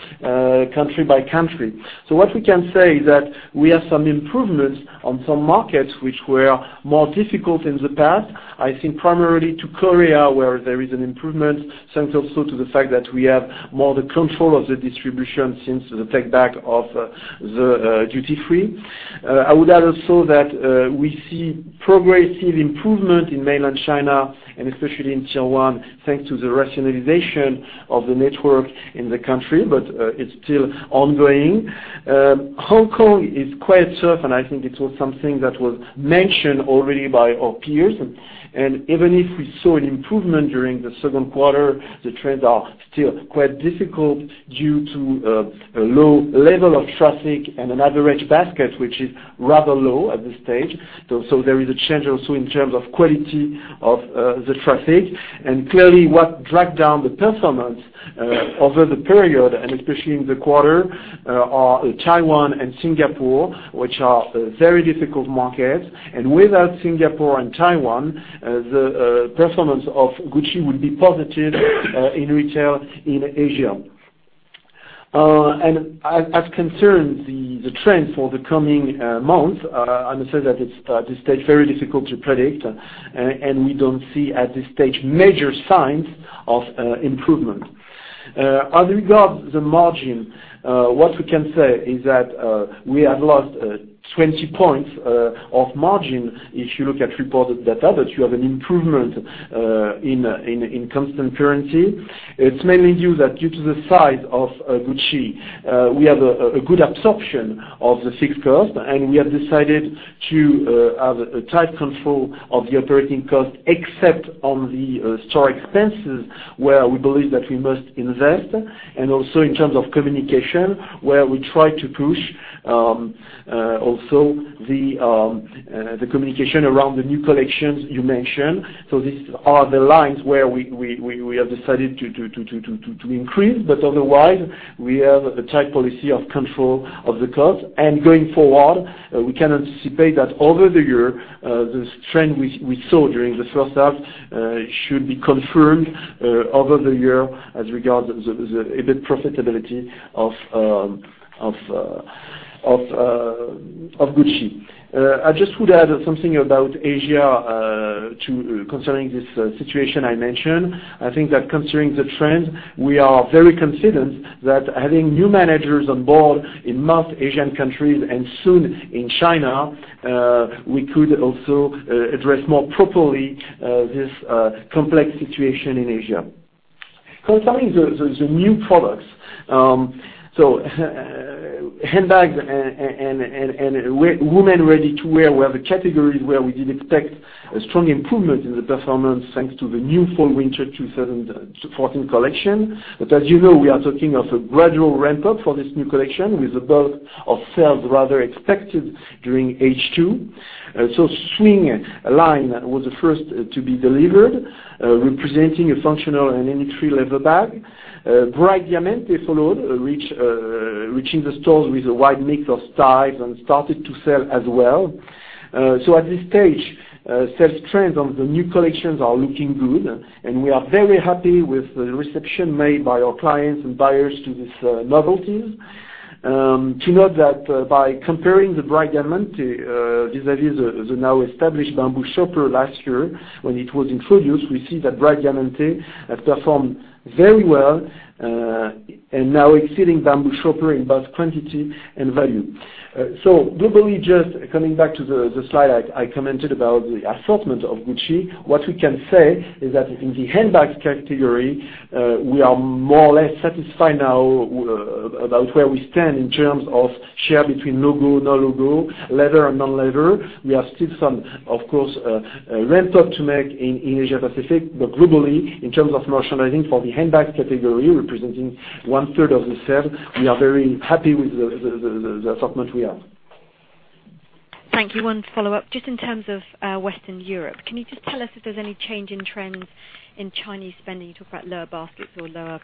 country by country. What we can say is that we have some improvements on some markets which were more difficult in the past, I think primarily to Korea, where there is an improvement, thanks also to the fact that we have more the control of the distribution since the take-back of the duty-free. I would add also that we see progressive improvement in mainland China and especially in Taiwan, thanks to the rationalization of the network in the country. It's still ongoing. Hong Kong is quite tough, and I think it was something that was mentioned already by our peers. Even if we saw an improvement during the second quarter, the trends are still quite difficult due to a low level of traffic and an average basket, which is rather low at this stage. There is a change also in terms of quality of the traffic. Clearly what dragged down the performance over the period, and especially in the quarter, are Taiwan and Singapore, which are very difficult markets. Without Singapore and Taiwan, the performance of Gucci would be positive in retail in Asia. As concerns the trends for the coming months, I must say that it's, at this stage, very difficult to predict, and we don't see at this stage major signs of improvement. As regards the margin, what we can say is that we have lost 20 points of margin if you look at reported data, but you have an improvement in constant currency. It's mainly due to the size of Gucci. We have a good absorption of the fixed cost, we have decided to have a tight control of the operating cost, except on the store expenses, where we believe that we must invest, and also in terms of communication, where we try to push also the communication around the new collections you mentioned. These are the lines where we have decided to increase. Otherwise, we have a tight policy of control of the cost. Going forward, we can anticipate that over the year, the trend we saw during the first half should be confirmed over the year as regard the EBIT profitability of Gucci. I just would add something about Asia concerning this situation I mentioned. I think that considering the trend, we are very confident that having new managers on board in most Asian countries and soon in China, we could also address more properly this complex situation in Asia. Concerning the new products, handbags and women ready-to-wear were the categories where we did expect a strong improvement in the performance, thanks to the new fall-winter 2014 collection. As you know, we are talking of a gradual ramp-up for this new collection with the bulk of sales rather expected during H2. Swing line was the first to be delivered, representing a functional and industry leather bag. Bright Diamanté followed, reaching the stores with a wide mix of styles and started to sell as well. At this stage, sales trends of the new collections are looking good, and we are very happy with the reception made by our clients and buyers to these novelties. To note that by comparing the Bright Diamanté vis-à-vis the now established Bamboo Shopper last year when it was introduced, we see that Bright Diamanté have performed very well, and now exceeding Bamboo Shopper in both quantity and value. Globally, just coming back to the slide I commented about the assortment of Gucci, what we can say is that in the handbags category, we are more or less satisfied now about where we stand in terms of share between logo, no logo, leather, and non-leather. We have still some, of course, ramp-up to make in Asia Pacific, globally, in terms of merchandising for the handbag category representing one-third of the sale, we are very happy with the assortment we have. Thank you. One follow-up. Just in terms of Western Europe, can you just tell us if there's any change in trends in Chinese spending? You talk about lower baskets or lower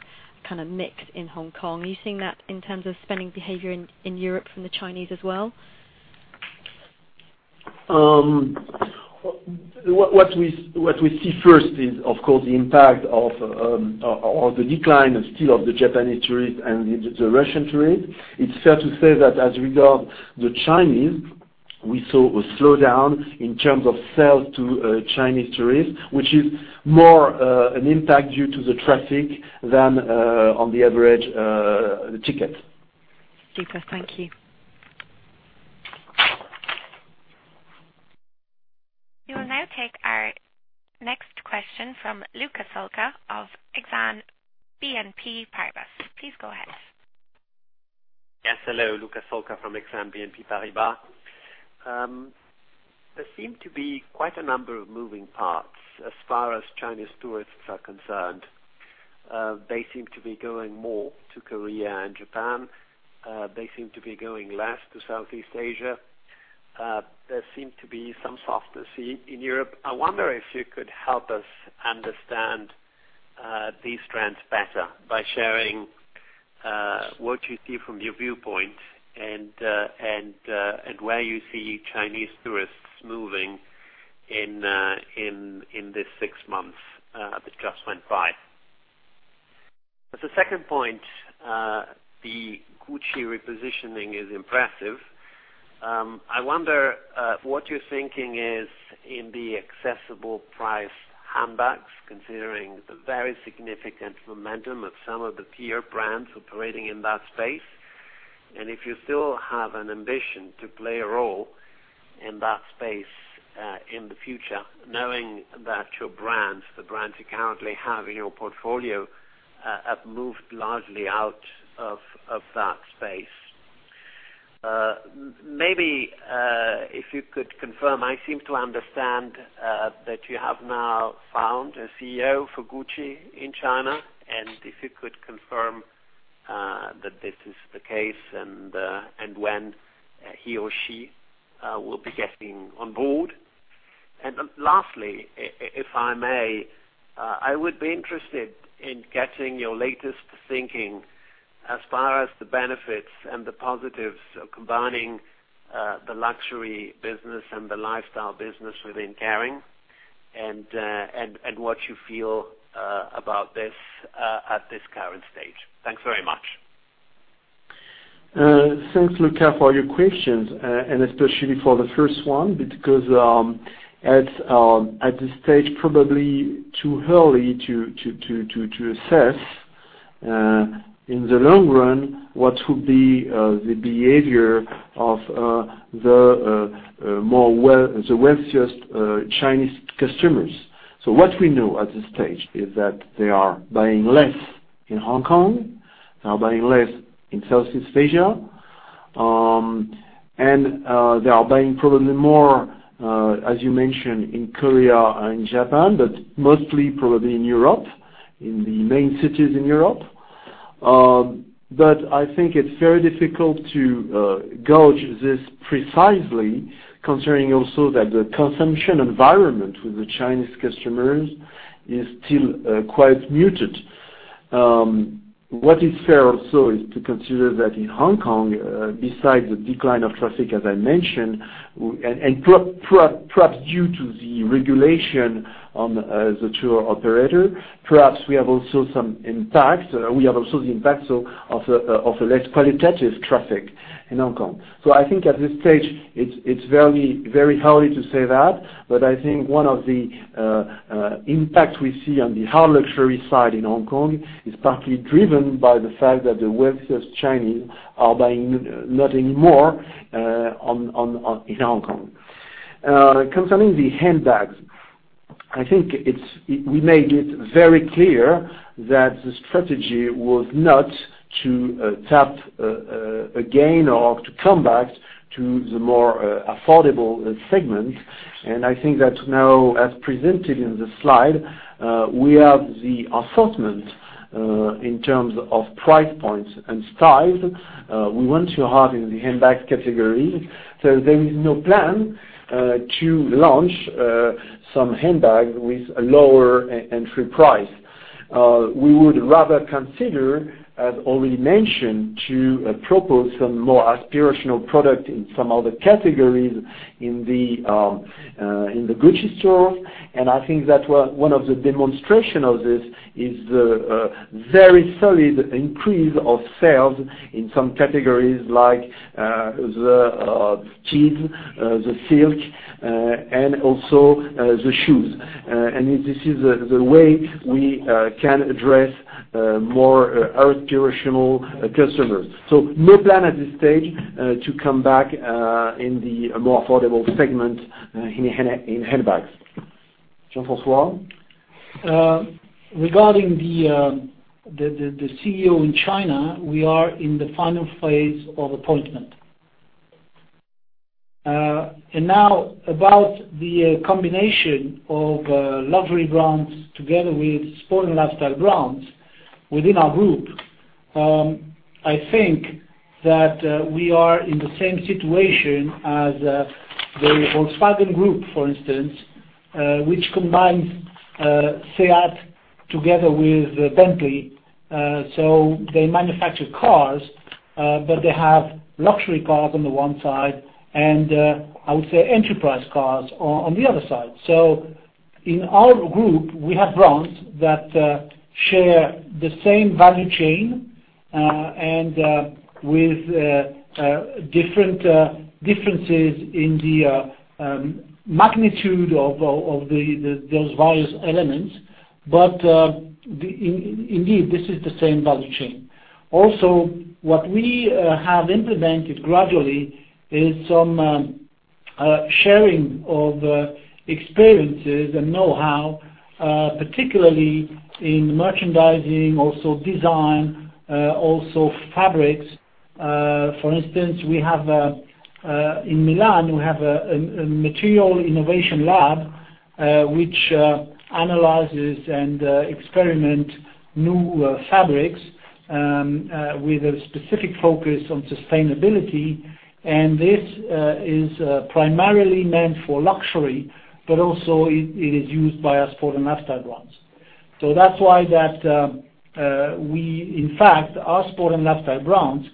mix in Hong Kong. Are you seeing that in terms of spending behavior in Europe from the Chinese as well? What we see first is, of course, the impact of the decline still of the Japanese tourist and the Russian tourist. It's fair to say that as regard the Chinese, we saw a slowdown in terms of sales to Chinese tourists, which is more an impact due to the traffic than on the average ticket. Super. Thank you. We will now take our next question from Luca Solca of Exane BNP Paribas. Please go ahead. Yes. Hello, Luca Solca from Exane BNP Paribas. There seem to be quite a number of moving parts as far as Chinese tourists are concerned. They seem to be going more to Korea and Japan. They seem to be going less to Southeast Asia. There seem to be some softness in Europe. I wonder if you could help us understand these trends better by sharing what you see from your viewpoint and where you see Chinese tourists moving in this six months that just went by. As a second point, the Gucci repositioning is impressive. I wonder what your thinking is in the accessible price handbags, considering the very significant momentum of some of the peer brands operating in that space. If you still have an ambition to play a role in that space, in the future, knowing that your brands, the brands you currently have in your portfolio, have moved largely out of that space. Maybe, if you could confirm, I seem to understand that you have now found a CEO for Gucci in China, and if you could confirm that this is the case and when he or she will be getting on board. Lastly, if I may, I would be interested in getting your latest thinking as far as the benefits and the positives of combining the luxury business and the lifestyle business within Kering, and what you feel about this at this current stage. Thanks very much. Thanks, Luca, for your questions, and especially for the first one, because at this stage, probably too early to assess, in the long run, what would be the behavior of the wealthiest Chinese customers. What we know at this stage is that they are buying less in Hong Kong, they are buying less in Southeast Asia. They are buying probably more, as you mentioned, in Korea and Japan, but mostly probably in Europe, in the main cities in Europe. I think it's very difficult to gauge this precisely, considering also that the consumption environment with the Chinese customers is still quite muted. What is fair also is to consider that in Hong Kong, besides the decline of traffic, as I mentioned, and perhaps due to the regulation on the tour operator, perhaps we have also the impact of a less qualitative traffic in Hong Kong. I think at this stage, it's very early to say that, but I think one of the impacts we see on the hard luxury side in Hong Kong is partly driven by the fact that the wealthiest Chinese are buying not anymore in Hong Kong. Concerning the handbags, I think we made it very clear that the strategy was not to tap again or to come back to the more affordable segment. I think that now, as presented in the slide, we have the assortment in terms of price points and styles we want to have in the handbag category. There is no plan to launch some handbag with a lower entry price. We would rather consider, as already mentioned, to propose some more aspirational product in some other categories in the Gucci stores. I think that one of the demonstration of this is the very solid increase of sales in some categories like jeans, silk, and shoes. This is the way we can address more aspirational customers. No plan at this stage to come back in the more affordable segment in handbags. Jean-François? Regarding the CEO in China, we are in the final phase of appointment. Now about the combination of luxury brands together with sport and lifestyle brands within our group. I think that we are in the same situation as the Volkswagen Group, for instance, which combines SEAT together with Bentley. They manufacture cars, but they have luxury cars on the one side and, I would say, enterprise cars on the other side. In our group, we have brands that share the same value chain and with differences in the magnitude of those various elements. Indeed, this is the same value chain. Also, what we have implemented gradually is some sharing of experiences and knowhow, particularly in merchandising, also design, also fabrics. For instance, in Milan, we have a material innovation lab which analyzes and experiment new fabrics with a specific focus on sustainability. This is primarily meant for luxury, but also it is used by our sport and lifestyle brands. That's why, in fact, our sport and lifestyle brands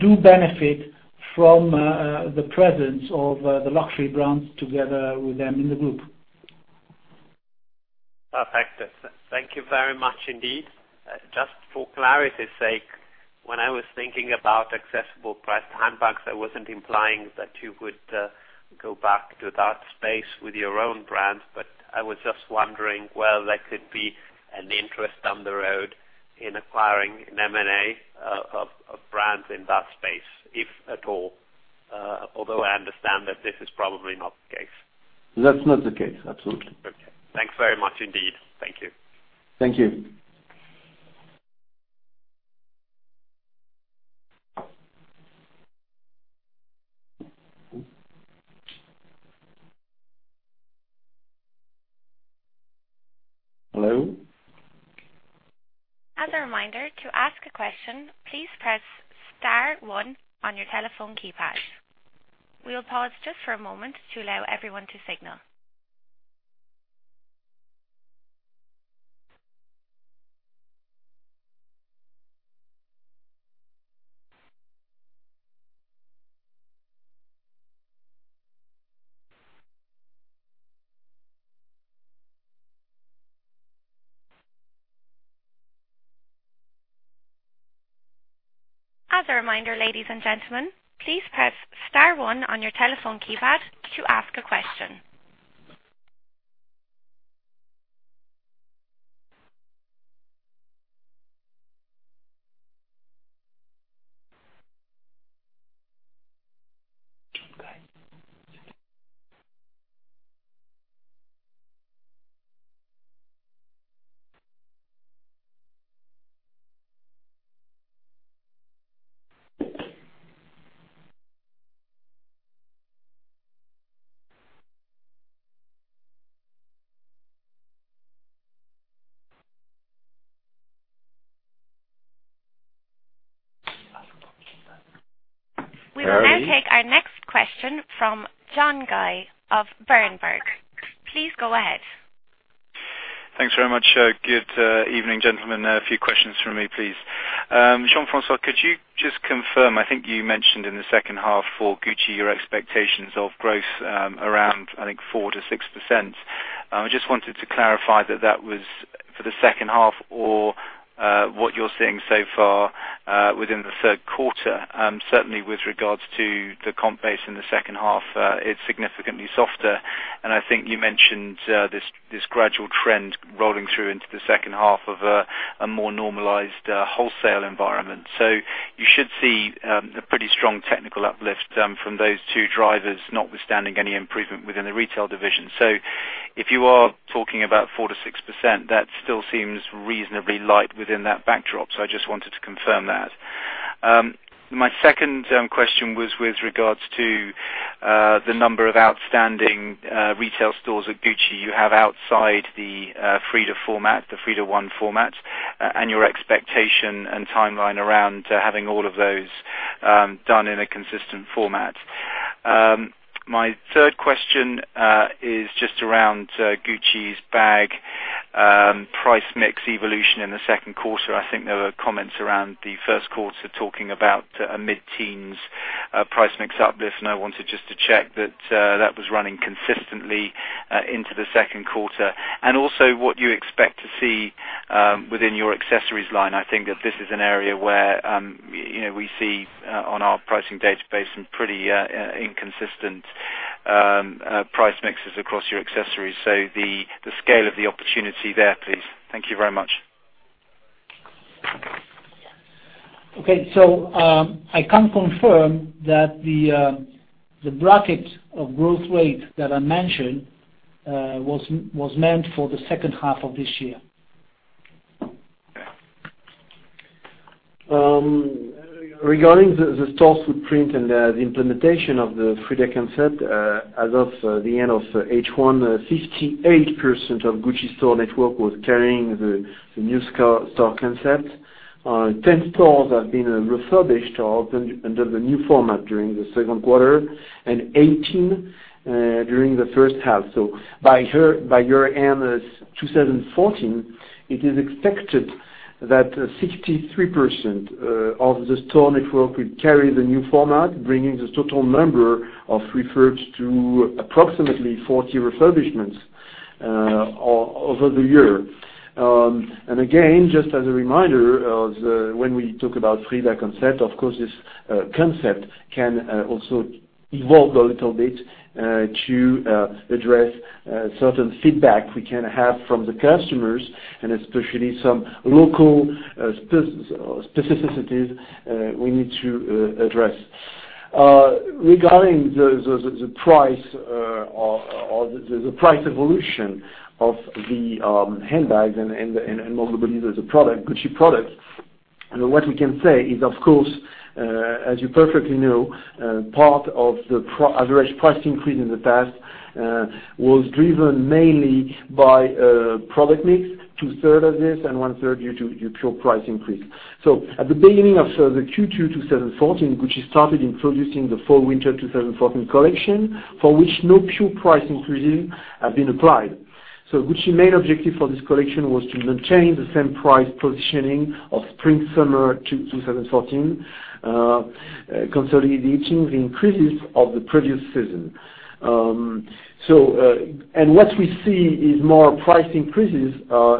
do benefit from the presence of the luxury brands together with them in the group. Perfect. Thank you very much indeed. Just for clarity's sake, when I was thinking about accessible priced handbags, I wasn't implying that you would go back to that space with your own brands, but I was just wondering whether there could be an interest down the road in acquiring an M&A of brands in that space, if at all. Although I understand that this is probably not the case. That's not the case. Absolutely. Okay. Thanks very much indeed. Thank you. Thank you. Hello? As a reminder, to ask a question, please press star one on your telephone keypad. We'll pause just for a moment to allow everyone to signal. As a reminder, ladies and gentlemen, please press star one on your telephone keypad to ask a question. We will now take our next question from John Guy of Berenberg. Please go ahead. Thanks very much. Good evening, gentlemen. A few questions from me, please. Jean-François, could you just confirm, I think you mentioned in the second half for Gucci, your expectations of growth around, I think, 4%-6%. I just wanted to clarify that was for the second half or what you're seeing so far within the third quarter. Certainly, with regards to the comp base in the second half, it's significantly softer. I think you mentioned this gradual trend rolling through into the second half of a more normalized wholesale environment. You should see a pretty strong technical uplift from those two drivers, notwithstanding any improvement within the retail division. If you are talking about 4%-6%, that still seems reasonably light within that backdrop. I just wanted to confirm that. My second question was with regards to the number of outstanding retail stores at Gucci you have outside the Frida format, the Frida one format, your expectation and timeline around having all of those done in a consistent format. My third question is just around Gucci's bag price mix evolution in the second quarter. I think there were comments around the first quarter talking about a mid-teens price mix uplift, I wanted just to check that was running consistently into the second quarter. Also, what you expect to see within your accessories line. I think that this is an area where we see on our pricing database some pretty inconsistent price mixes across your accessories. The scale of the opportunity there, please. Thank you very much. Okay. I can confirm that the bracket of growth rate that I mentioned was meant for the second half of this year. Regarding the store footprint and the implementation of the Frida concept, as of the end of H1, 58% of Gucci store network was carrying the new store concept. 10 stores have been refurbished or opened under the new format during the second quarter, 18 during the first half. By year-end 2014, it is expected that 63% of the store network will carry the new format, bringing the total number of refurbished to approximately 40 refurbishments over the year. Again, just as a reminder, when we talk about Frida concept, of course this concept can also evolve a little bit to address certain feedback we can have from the customers, especially some local specificities we need to address. Regarding the price evolution of the handbags and more generally, the Gucci products. What we can say is, of course, as you perfectly know, part of the average price increase in the past was driven mainly by product mix, two-thirds of this and one-third due to pure price increase. At the beginning of the Q2 2014, Gucci started introducing the fall/winter 2014 collection, for which no pure price increases have been applied. Gucci's main objective for this collection was to maintain the same price positioning of spring/summer 2014, consolidating the increases of the previous season. What we see is more price increases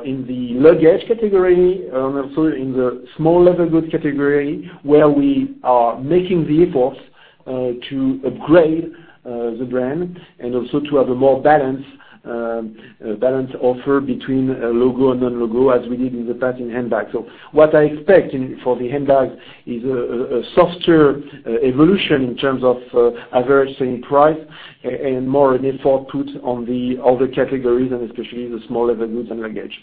in the luggage category, also in the small leather goods category, where we are making the efforts to upgrade the brand and also to have a more balanced offer between logo and non-logo, as we did in the past in handbags. What I expect for the handbag is a softer evolution in terms of average selling price, and more an effort put on the other categories, and especially the small leather goods and luggage.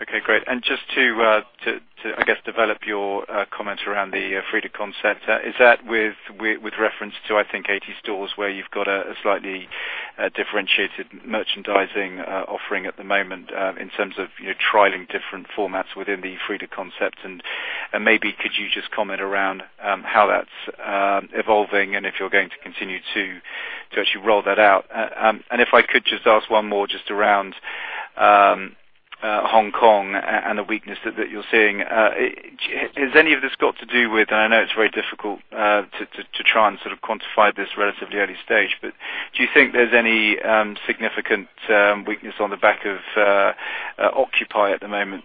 Okay, great. Just to, I guess, develop your comment around the Frida concept, is that with reference to, I think, 80 stores where you've got a slightly differentiated merchandising offering at the moment in terms of trialing different formats within the Frida concept? Maybe could you just comment around how that's evolving and if you're going to continue to actually roll that out? If I could just ask one more just around Hong Kong and the weakness that you're seeing. Has any of this got to do with, I know it's very difficult to try and sort of quantify this relatively early stage, but do you think there's any significant weakness on the back of Occupy at the moment,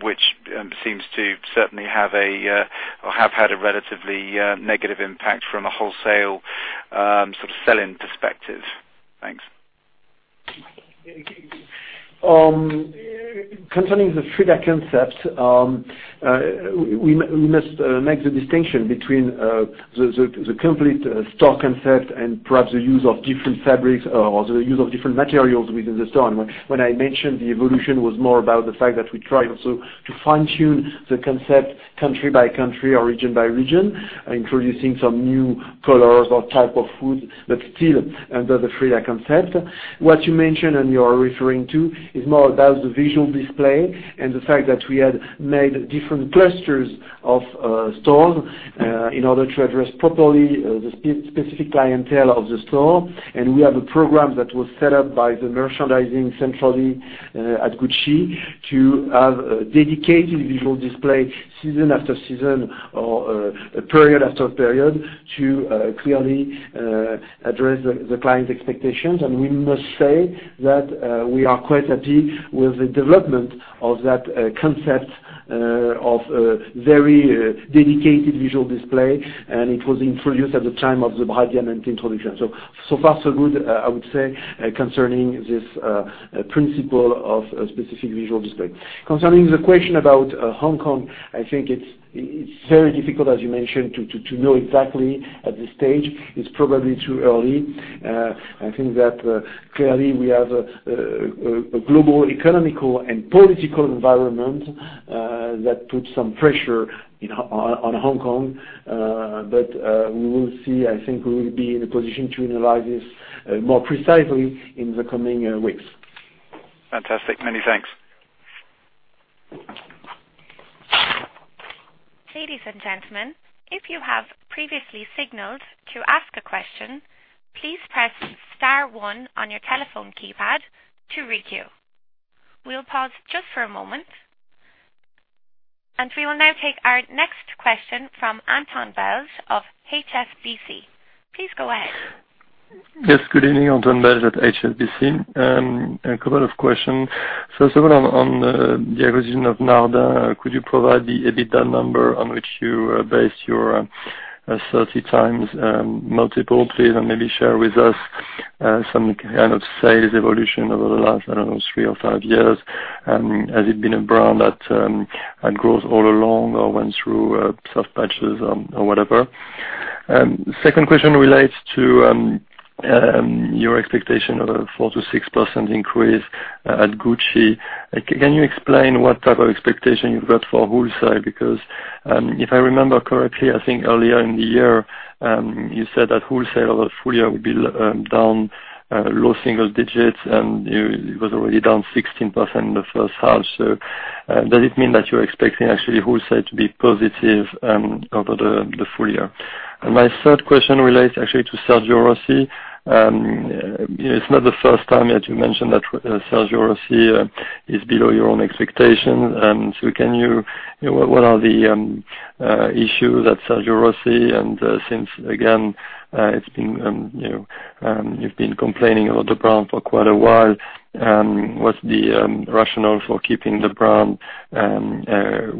which seems to certainly have had a relatively negative impact from a wholesale sell-in perspective? Thanks. Concerning the Frida concept, we must make the distinction between the complete stock concept and perhaps the use of different fabrics or the use of different materials within the store. When I mentioned the evolution was more about the fact that we tried also to fine-tune the concept country by country or region by region, introducing some new colors or type of wood, but still under the Frida concept. What you mentioned and you are referring to is more about the visual display and the fact that we had made different clusters of stores in order to address properly the specific clientele of the store. We have a program that was set up by the merchandising centrally at Gucci to have a dedicated visual display season after season or period after period to clearly address the client's expectations. We must say that we are quite happy with the development of that concept of a very dedicated visual display, and it was introduced at the time of the Bright Diamanté introduction. So far so good, I would say, concerning this principle of a specific visual display. Concerning the question about Hong Kong, I think it's very difficult, as you mentioned, to know exactly at this stage. It's probably too early. I think that clearly we have a global economical and political environment that puts some pressure on Hong Kong. We will see. I think we will be in a position to analyze this more precisely in the coming weeks. Fantastic. Many thanks. Ladies and gentlemen, if you have previously signaled to ask a question, please press star one on your telephone keypad to queue. We'll pause just for a moment. We will now take our next question from Antoine Belge of HSBC. Please go ahead. Yes. Good evening. Antoine Belge at HSBC. A couple of questions. First of all, on the acquisition of Nardin, could you provide the EBITDA number on which you based your 30x multiple, please? Maybe share with us some kind of sales evolution over the last, I don't know, three or five years. Has it been a brand that grows all along or went through soft patches or whatever? Second question relates to your expectation of a 4%-6% increase at Gucci. Can you explain what type of expectation you've got for wholesale? Because if I remember correctly, I think earlier in the year, you said that wholesale over full year would be down low single digits, and it was already down 16% in the first half. Does it mean that you're expecting actually wholesale to be positive over the full year? My third question relates actually to Sergio Rossi. It's not the first time that you mentioned that Sergio Rossi is below your own expectations. What are the issues at Sergio Rossi? Since, again, you've been complaining about the brand for quite a while, what's the rationale for keeping the brand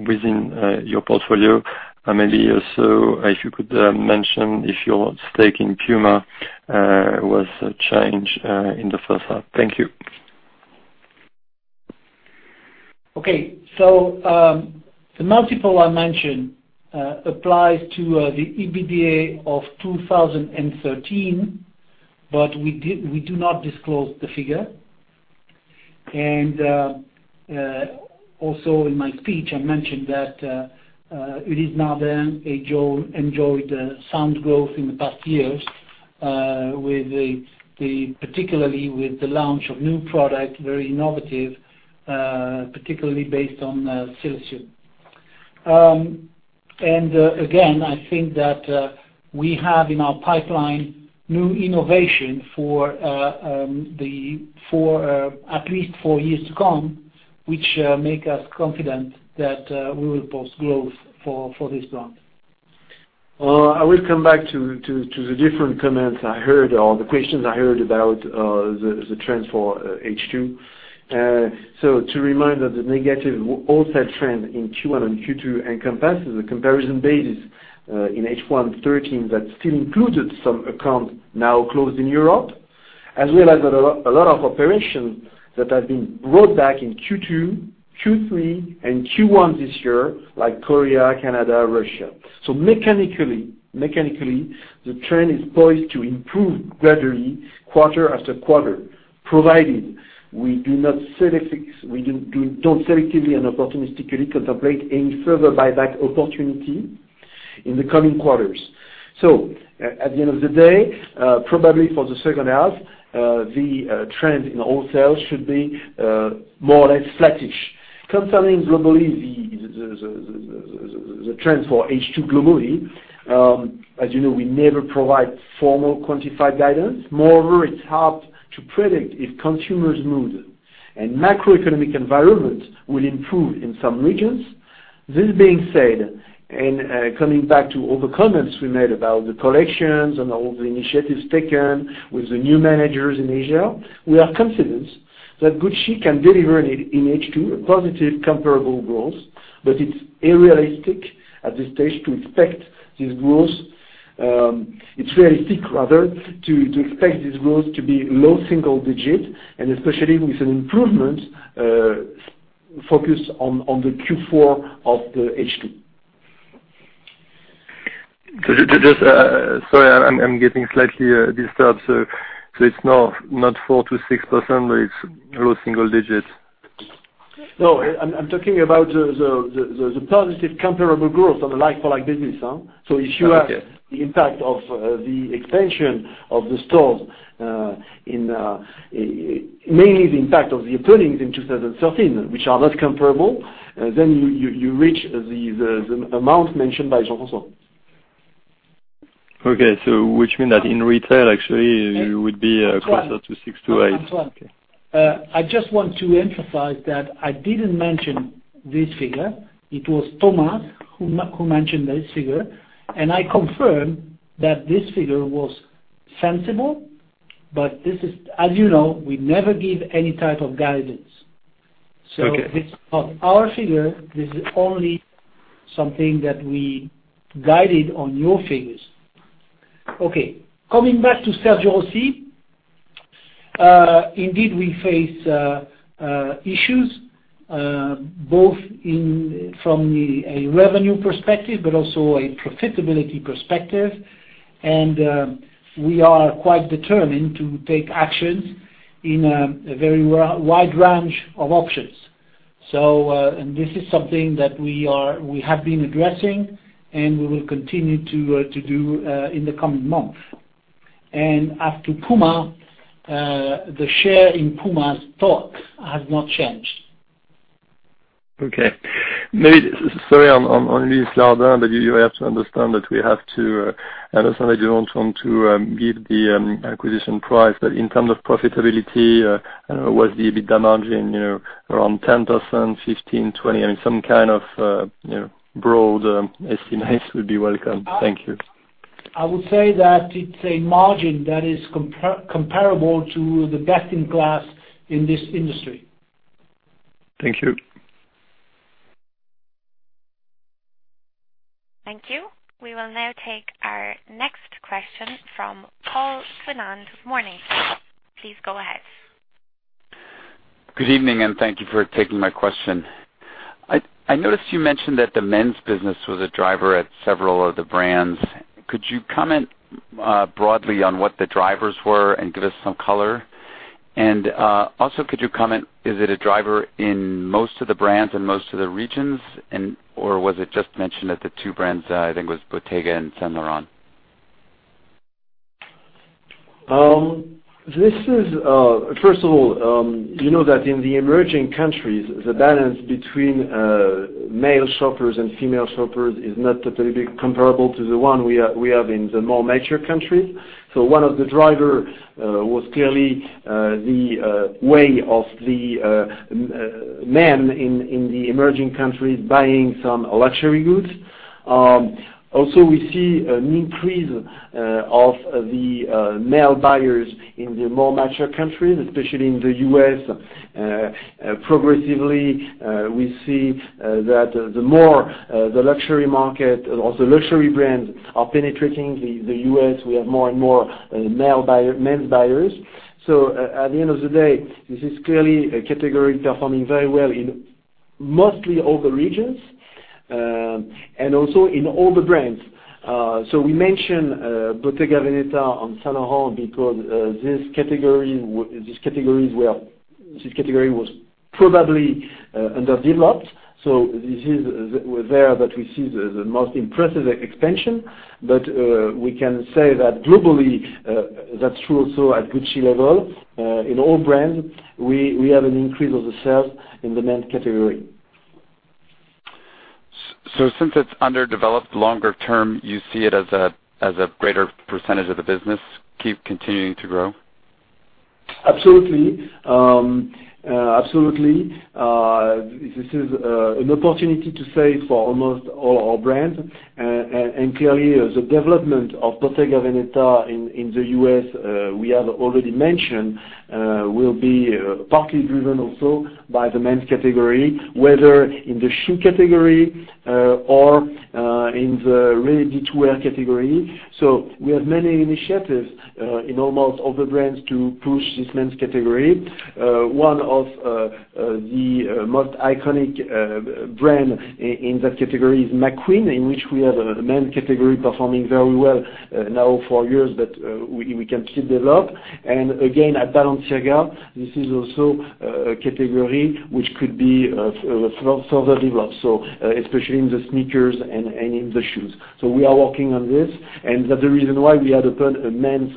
within your portfolio? Maybe also, if you could mention if your stake in Puma was changed in the first half. Thank you. Okay. The multiple I mentioned applies to the EBITDA of 2013, we do not disclose the figure. Also in my speech, I mentioned that it is now enjoyed sound growth in the past years, particularly with the launch of new products, very innovative, particularly based on silicon. Again, I think that we have in our pipeline new innovation for at least four years to come, which make us confident that we will post growth for this brand. I will come back to the different comments I heard or the questions I heard about the trends for H2. To remind that the negative wholesale trend in Q1 and Q2 encompasses the comparison basis in H1 2013 that still included some accounts now closed in Europe, as well as a lot of operations that have been brought back in Q2, Q3, and Q1 this year, like Korea, Canada, Russia. Mechanically, the trend is poised to improve gradually quarter after quarter, provided we don't selectively and opportunistically contemplate any further buyback opportunity in the coming quarters. At the end of the day, probably for the second half, the trend in wholesale should be more or less flattish. Concerning globally, the trends for H2 globally, as you know, we never provide formal quantified guidance. It's hard to predict if consumers' mood and macroeconomic environment will improve in some regions. This being said, and coming back to all the comments we made about the collections and all the initiatives taken with the new managers in Asia, we are confident that Gucci can deliver in H2 a positive comparable growth. It's unrealistic at this stage to expect this growth. It's realistic, rather, to expect this growth to be low single digit and especially with an improvement focused on the Q4 of the H2. Sorry, I'm getting slightly disturbed. It's not 4 to 6%, but it's low single digits. I'm talking about the positive comparable growth on the like-for-like business. Okay. If you have the impact of the extension of the stores, mainly the impact of the openings in 2013, which are less comparable, then you reach the amount mentioned by Jean-François. Okay. Which means that in retail, actually, you would be closer to six to eight. Antoine, I just want to emphasize that I didn't mention this figure. It was Thomas who mentioned this figure. I confirm that this figure was sensible. As you know, we never give any type of guidance. Okay. This is not our figure. This is only something that we guided on your figures. Okay, coming back to Sergio Rossi. Indeed, we face issues, both from a revenue perspective but also a profitability perspective. We are quite determined to take actions in a very wide range of options. This is something that we have been addressing and we will continue to do in the coming months. As to Puma, the share in Puma's stock has not changed. Okay. Sorry, on this, Nardin, but you have to understand that you don't want to give the acquisition price, but in terms of profitability, I don't know, was the EBITDA margin around 10%, 15%, 20%? I mean, some kind of broad estimates would be welcome. Thank you. I would say that it's a margin that is comparable to the best-in-class in this industry. Thank you. Thank you. We will now take our next question from Paul Fernandez with Morgan Stanley. Please go ahead. Good evening. Thank you for taking my question. I noticed you mentioned that the men's business was a driver at several of the brands. Could you comment broadly on what the drivers were and give us some color? Also could you comment, is it a driver in most of the brands, in most of the regions? Was it just mentioned that the two brands, I think it was Bottega and Saint Laurent? First of all, you know that in the emerging countries, the balance between male shoppers and female shoppers is not totally comparable to the one we have in the more mature countries. One of the driver was clearly the way of the men in the emerging countries buying some luxury goods. Also, we see an increase of the male buyers in the more mature countries, especially in the U.S. Progressively, we see that the more the luxury market or the luxury brands are penetrating the U.S., we have more and more men buyers. At the end of the day, this is clearly a category performing very well in mostly all the regions. Also in all the brands. We mentioned Bottega Veneta and Saint Laurent because this category was probably underdeveloped, so this is there that we see the most impressive expansion. We can say that globally, that's true also at Gucci level. In all brands, we have an increase of the sales in the men's category. Since it's underdeveloped longer term, you see it as a greater percentage of the business keep continuing to grow? Absolutely. This is an opportunity to say for almost all our brands. Clearly, the development of Bottega Veneta in the U.S., we have already mentioned, will be partly driven also by the men's category, whether in the shoe category or in the ready-to-wear category. We have many initiatives in almost all the brands to push this men's category. One of the most iconic brand in that category is McQueen, in which we have a men category performing very well now for years, but we can still develop. Again, at Balenciaga, this is also a category which could be further developed, especially in the sneakers and in the shoes. We are working on this, and that's the reason why we have opened a men's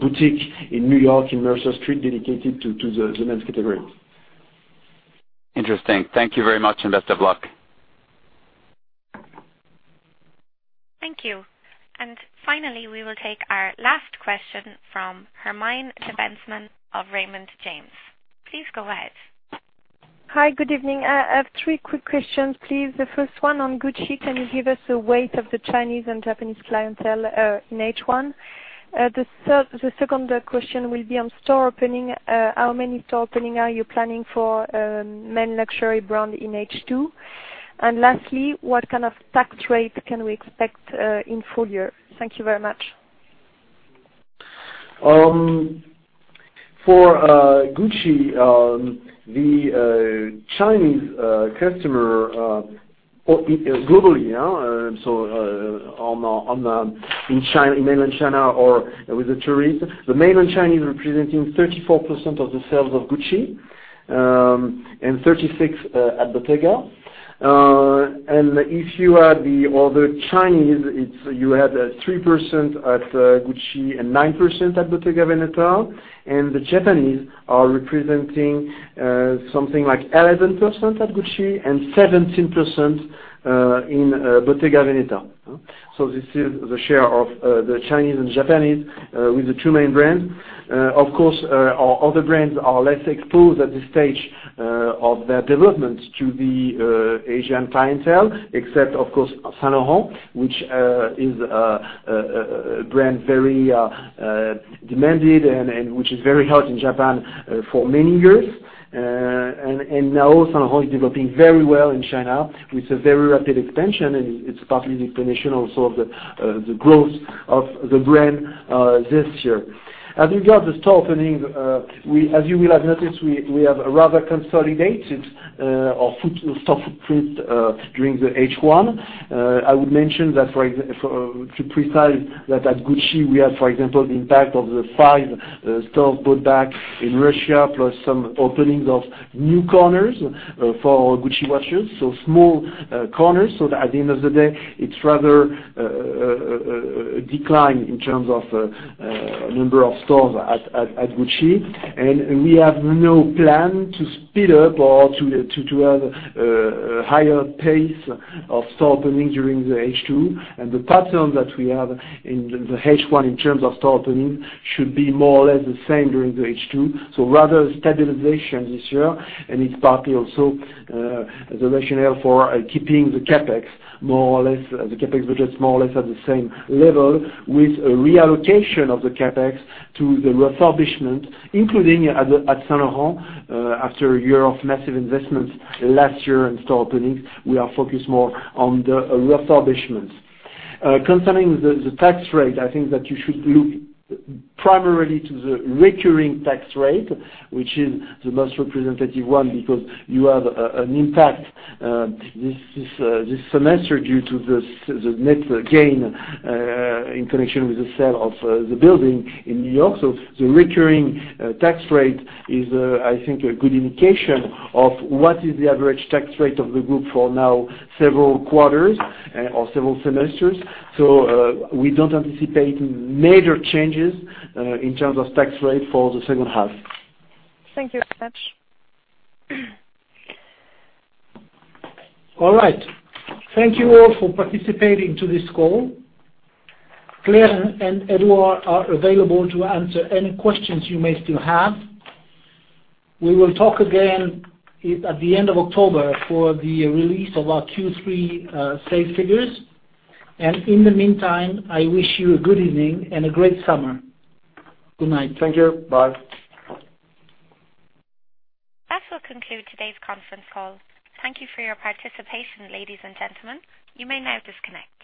boutique in New York, in Mercer Street, dedicated to the men's category. Interesting. Thank you very much, and best of luck. Thank you. Finally, we will take our last question from Hermine de Bentzmann of Raymond James. Please go ahead. Hi, good evening. I have three quick questions, please. The first one on Gucci, can you give us the weight of the Chinese and Japanese clientele in H1? The second question will be on store opening. How many store opening are you planning for men luxury brand in H2? Lastly, what kind of tax rate can we expect in full year? Thank you very much. For Gucci, the Chinese customer globally, so in mainland China or with the tourist, the mainland Chinese are representing 34% of the sales of Gucci, and 36% at Bottega. If you add the other Chinese, you add 3% at Gucci and 9% at Bottega Veneta. The Japanese are representing something like 11% at Gucci and 17% in Bottega Veneta. This is the share of the Chinese and Japanese with the two main brands. Of course, our other brands are less exposed at this stage of their development to the Asian clientele, except, of course, Saint Laurent, which is a brand very demanded and which is very hot in Japan for many years. Now Saint Laurent is developing very well in China with a very rapid expansion, and it's partly the explanation also of the growth of the brand this year. As we got the store opening, as you will have noticed, we have rather consolidated our store footprint during the H1. I would mention to specify that at Gucci we have, for example, the impact of the five stores put back in Russia, plus some openings of new corners for Gucci watches. Small corners, so that at the end of the day, it's rather a decline in terms of number of stores at Gucci. We have no plan to speed up or to have a higher pace of store opening during the H2. The pattern that we have in the H1 in terms of store opening should be more or less the same during the H2. Rather a stabilization this year, it's partly also the rationale for keeping the CapEx budgets more or less at the same level with a reallocation of the CapEx to the refurbishment, including at Saint Laurent. After a year of massive investments last year in store openings, we are focused more on the refurbishment. Concerning the tax rate, I think that you should look primarily to the recurring tax rate, which is the most representative one because you have an impact this semester due to the net gain in connection with the sale of the building in New York. The recurring tax rate is, I think, a good indication of what is the average tax rate of the group for now several quarters or several semesters. We don't anticipate major changes in terms of tax rate for the second half. Thank you very much. All right. Thank you all for participating to this call. Claire and Edouard are available to answer any questions you may still have. We will talk again at the end of October for the release of our Q3 sales figures. In the meantime, I wish you a good evening and a great summer. Good night. Thank you. Bye. That will conclude today's conference call. Thank you for your participation, ladies and gentlemen. You may now disconnect.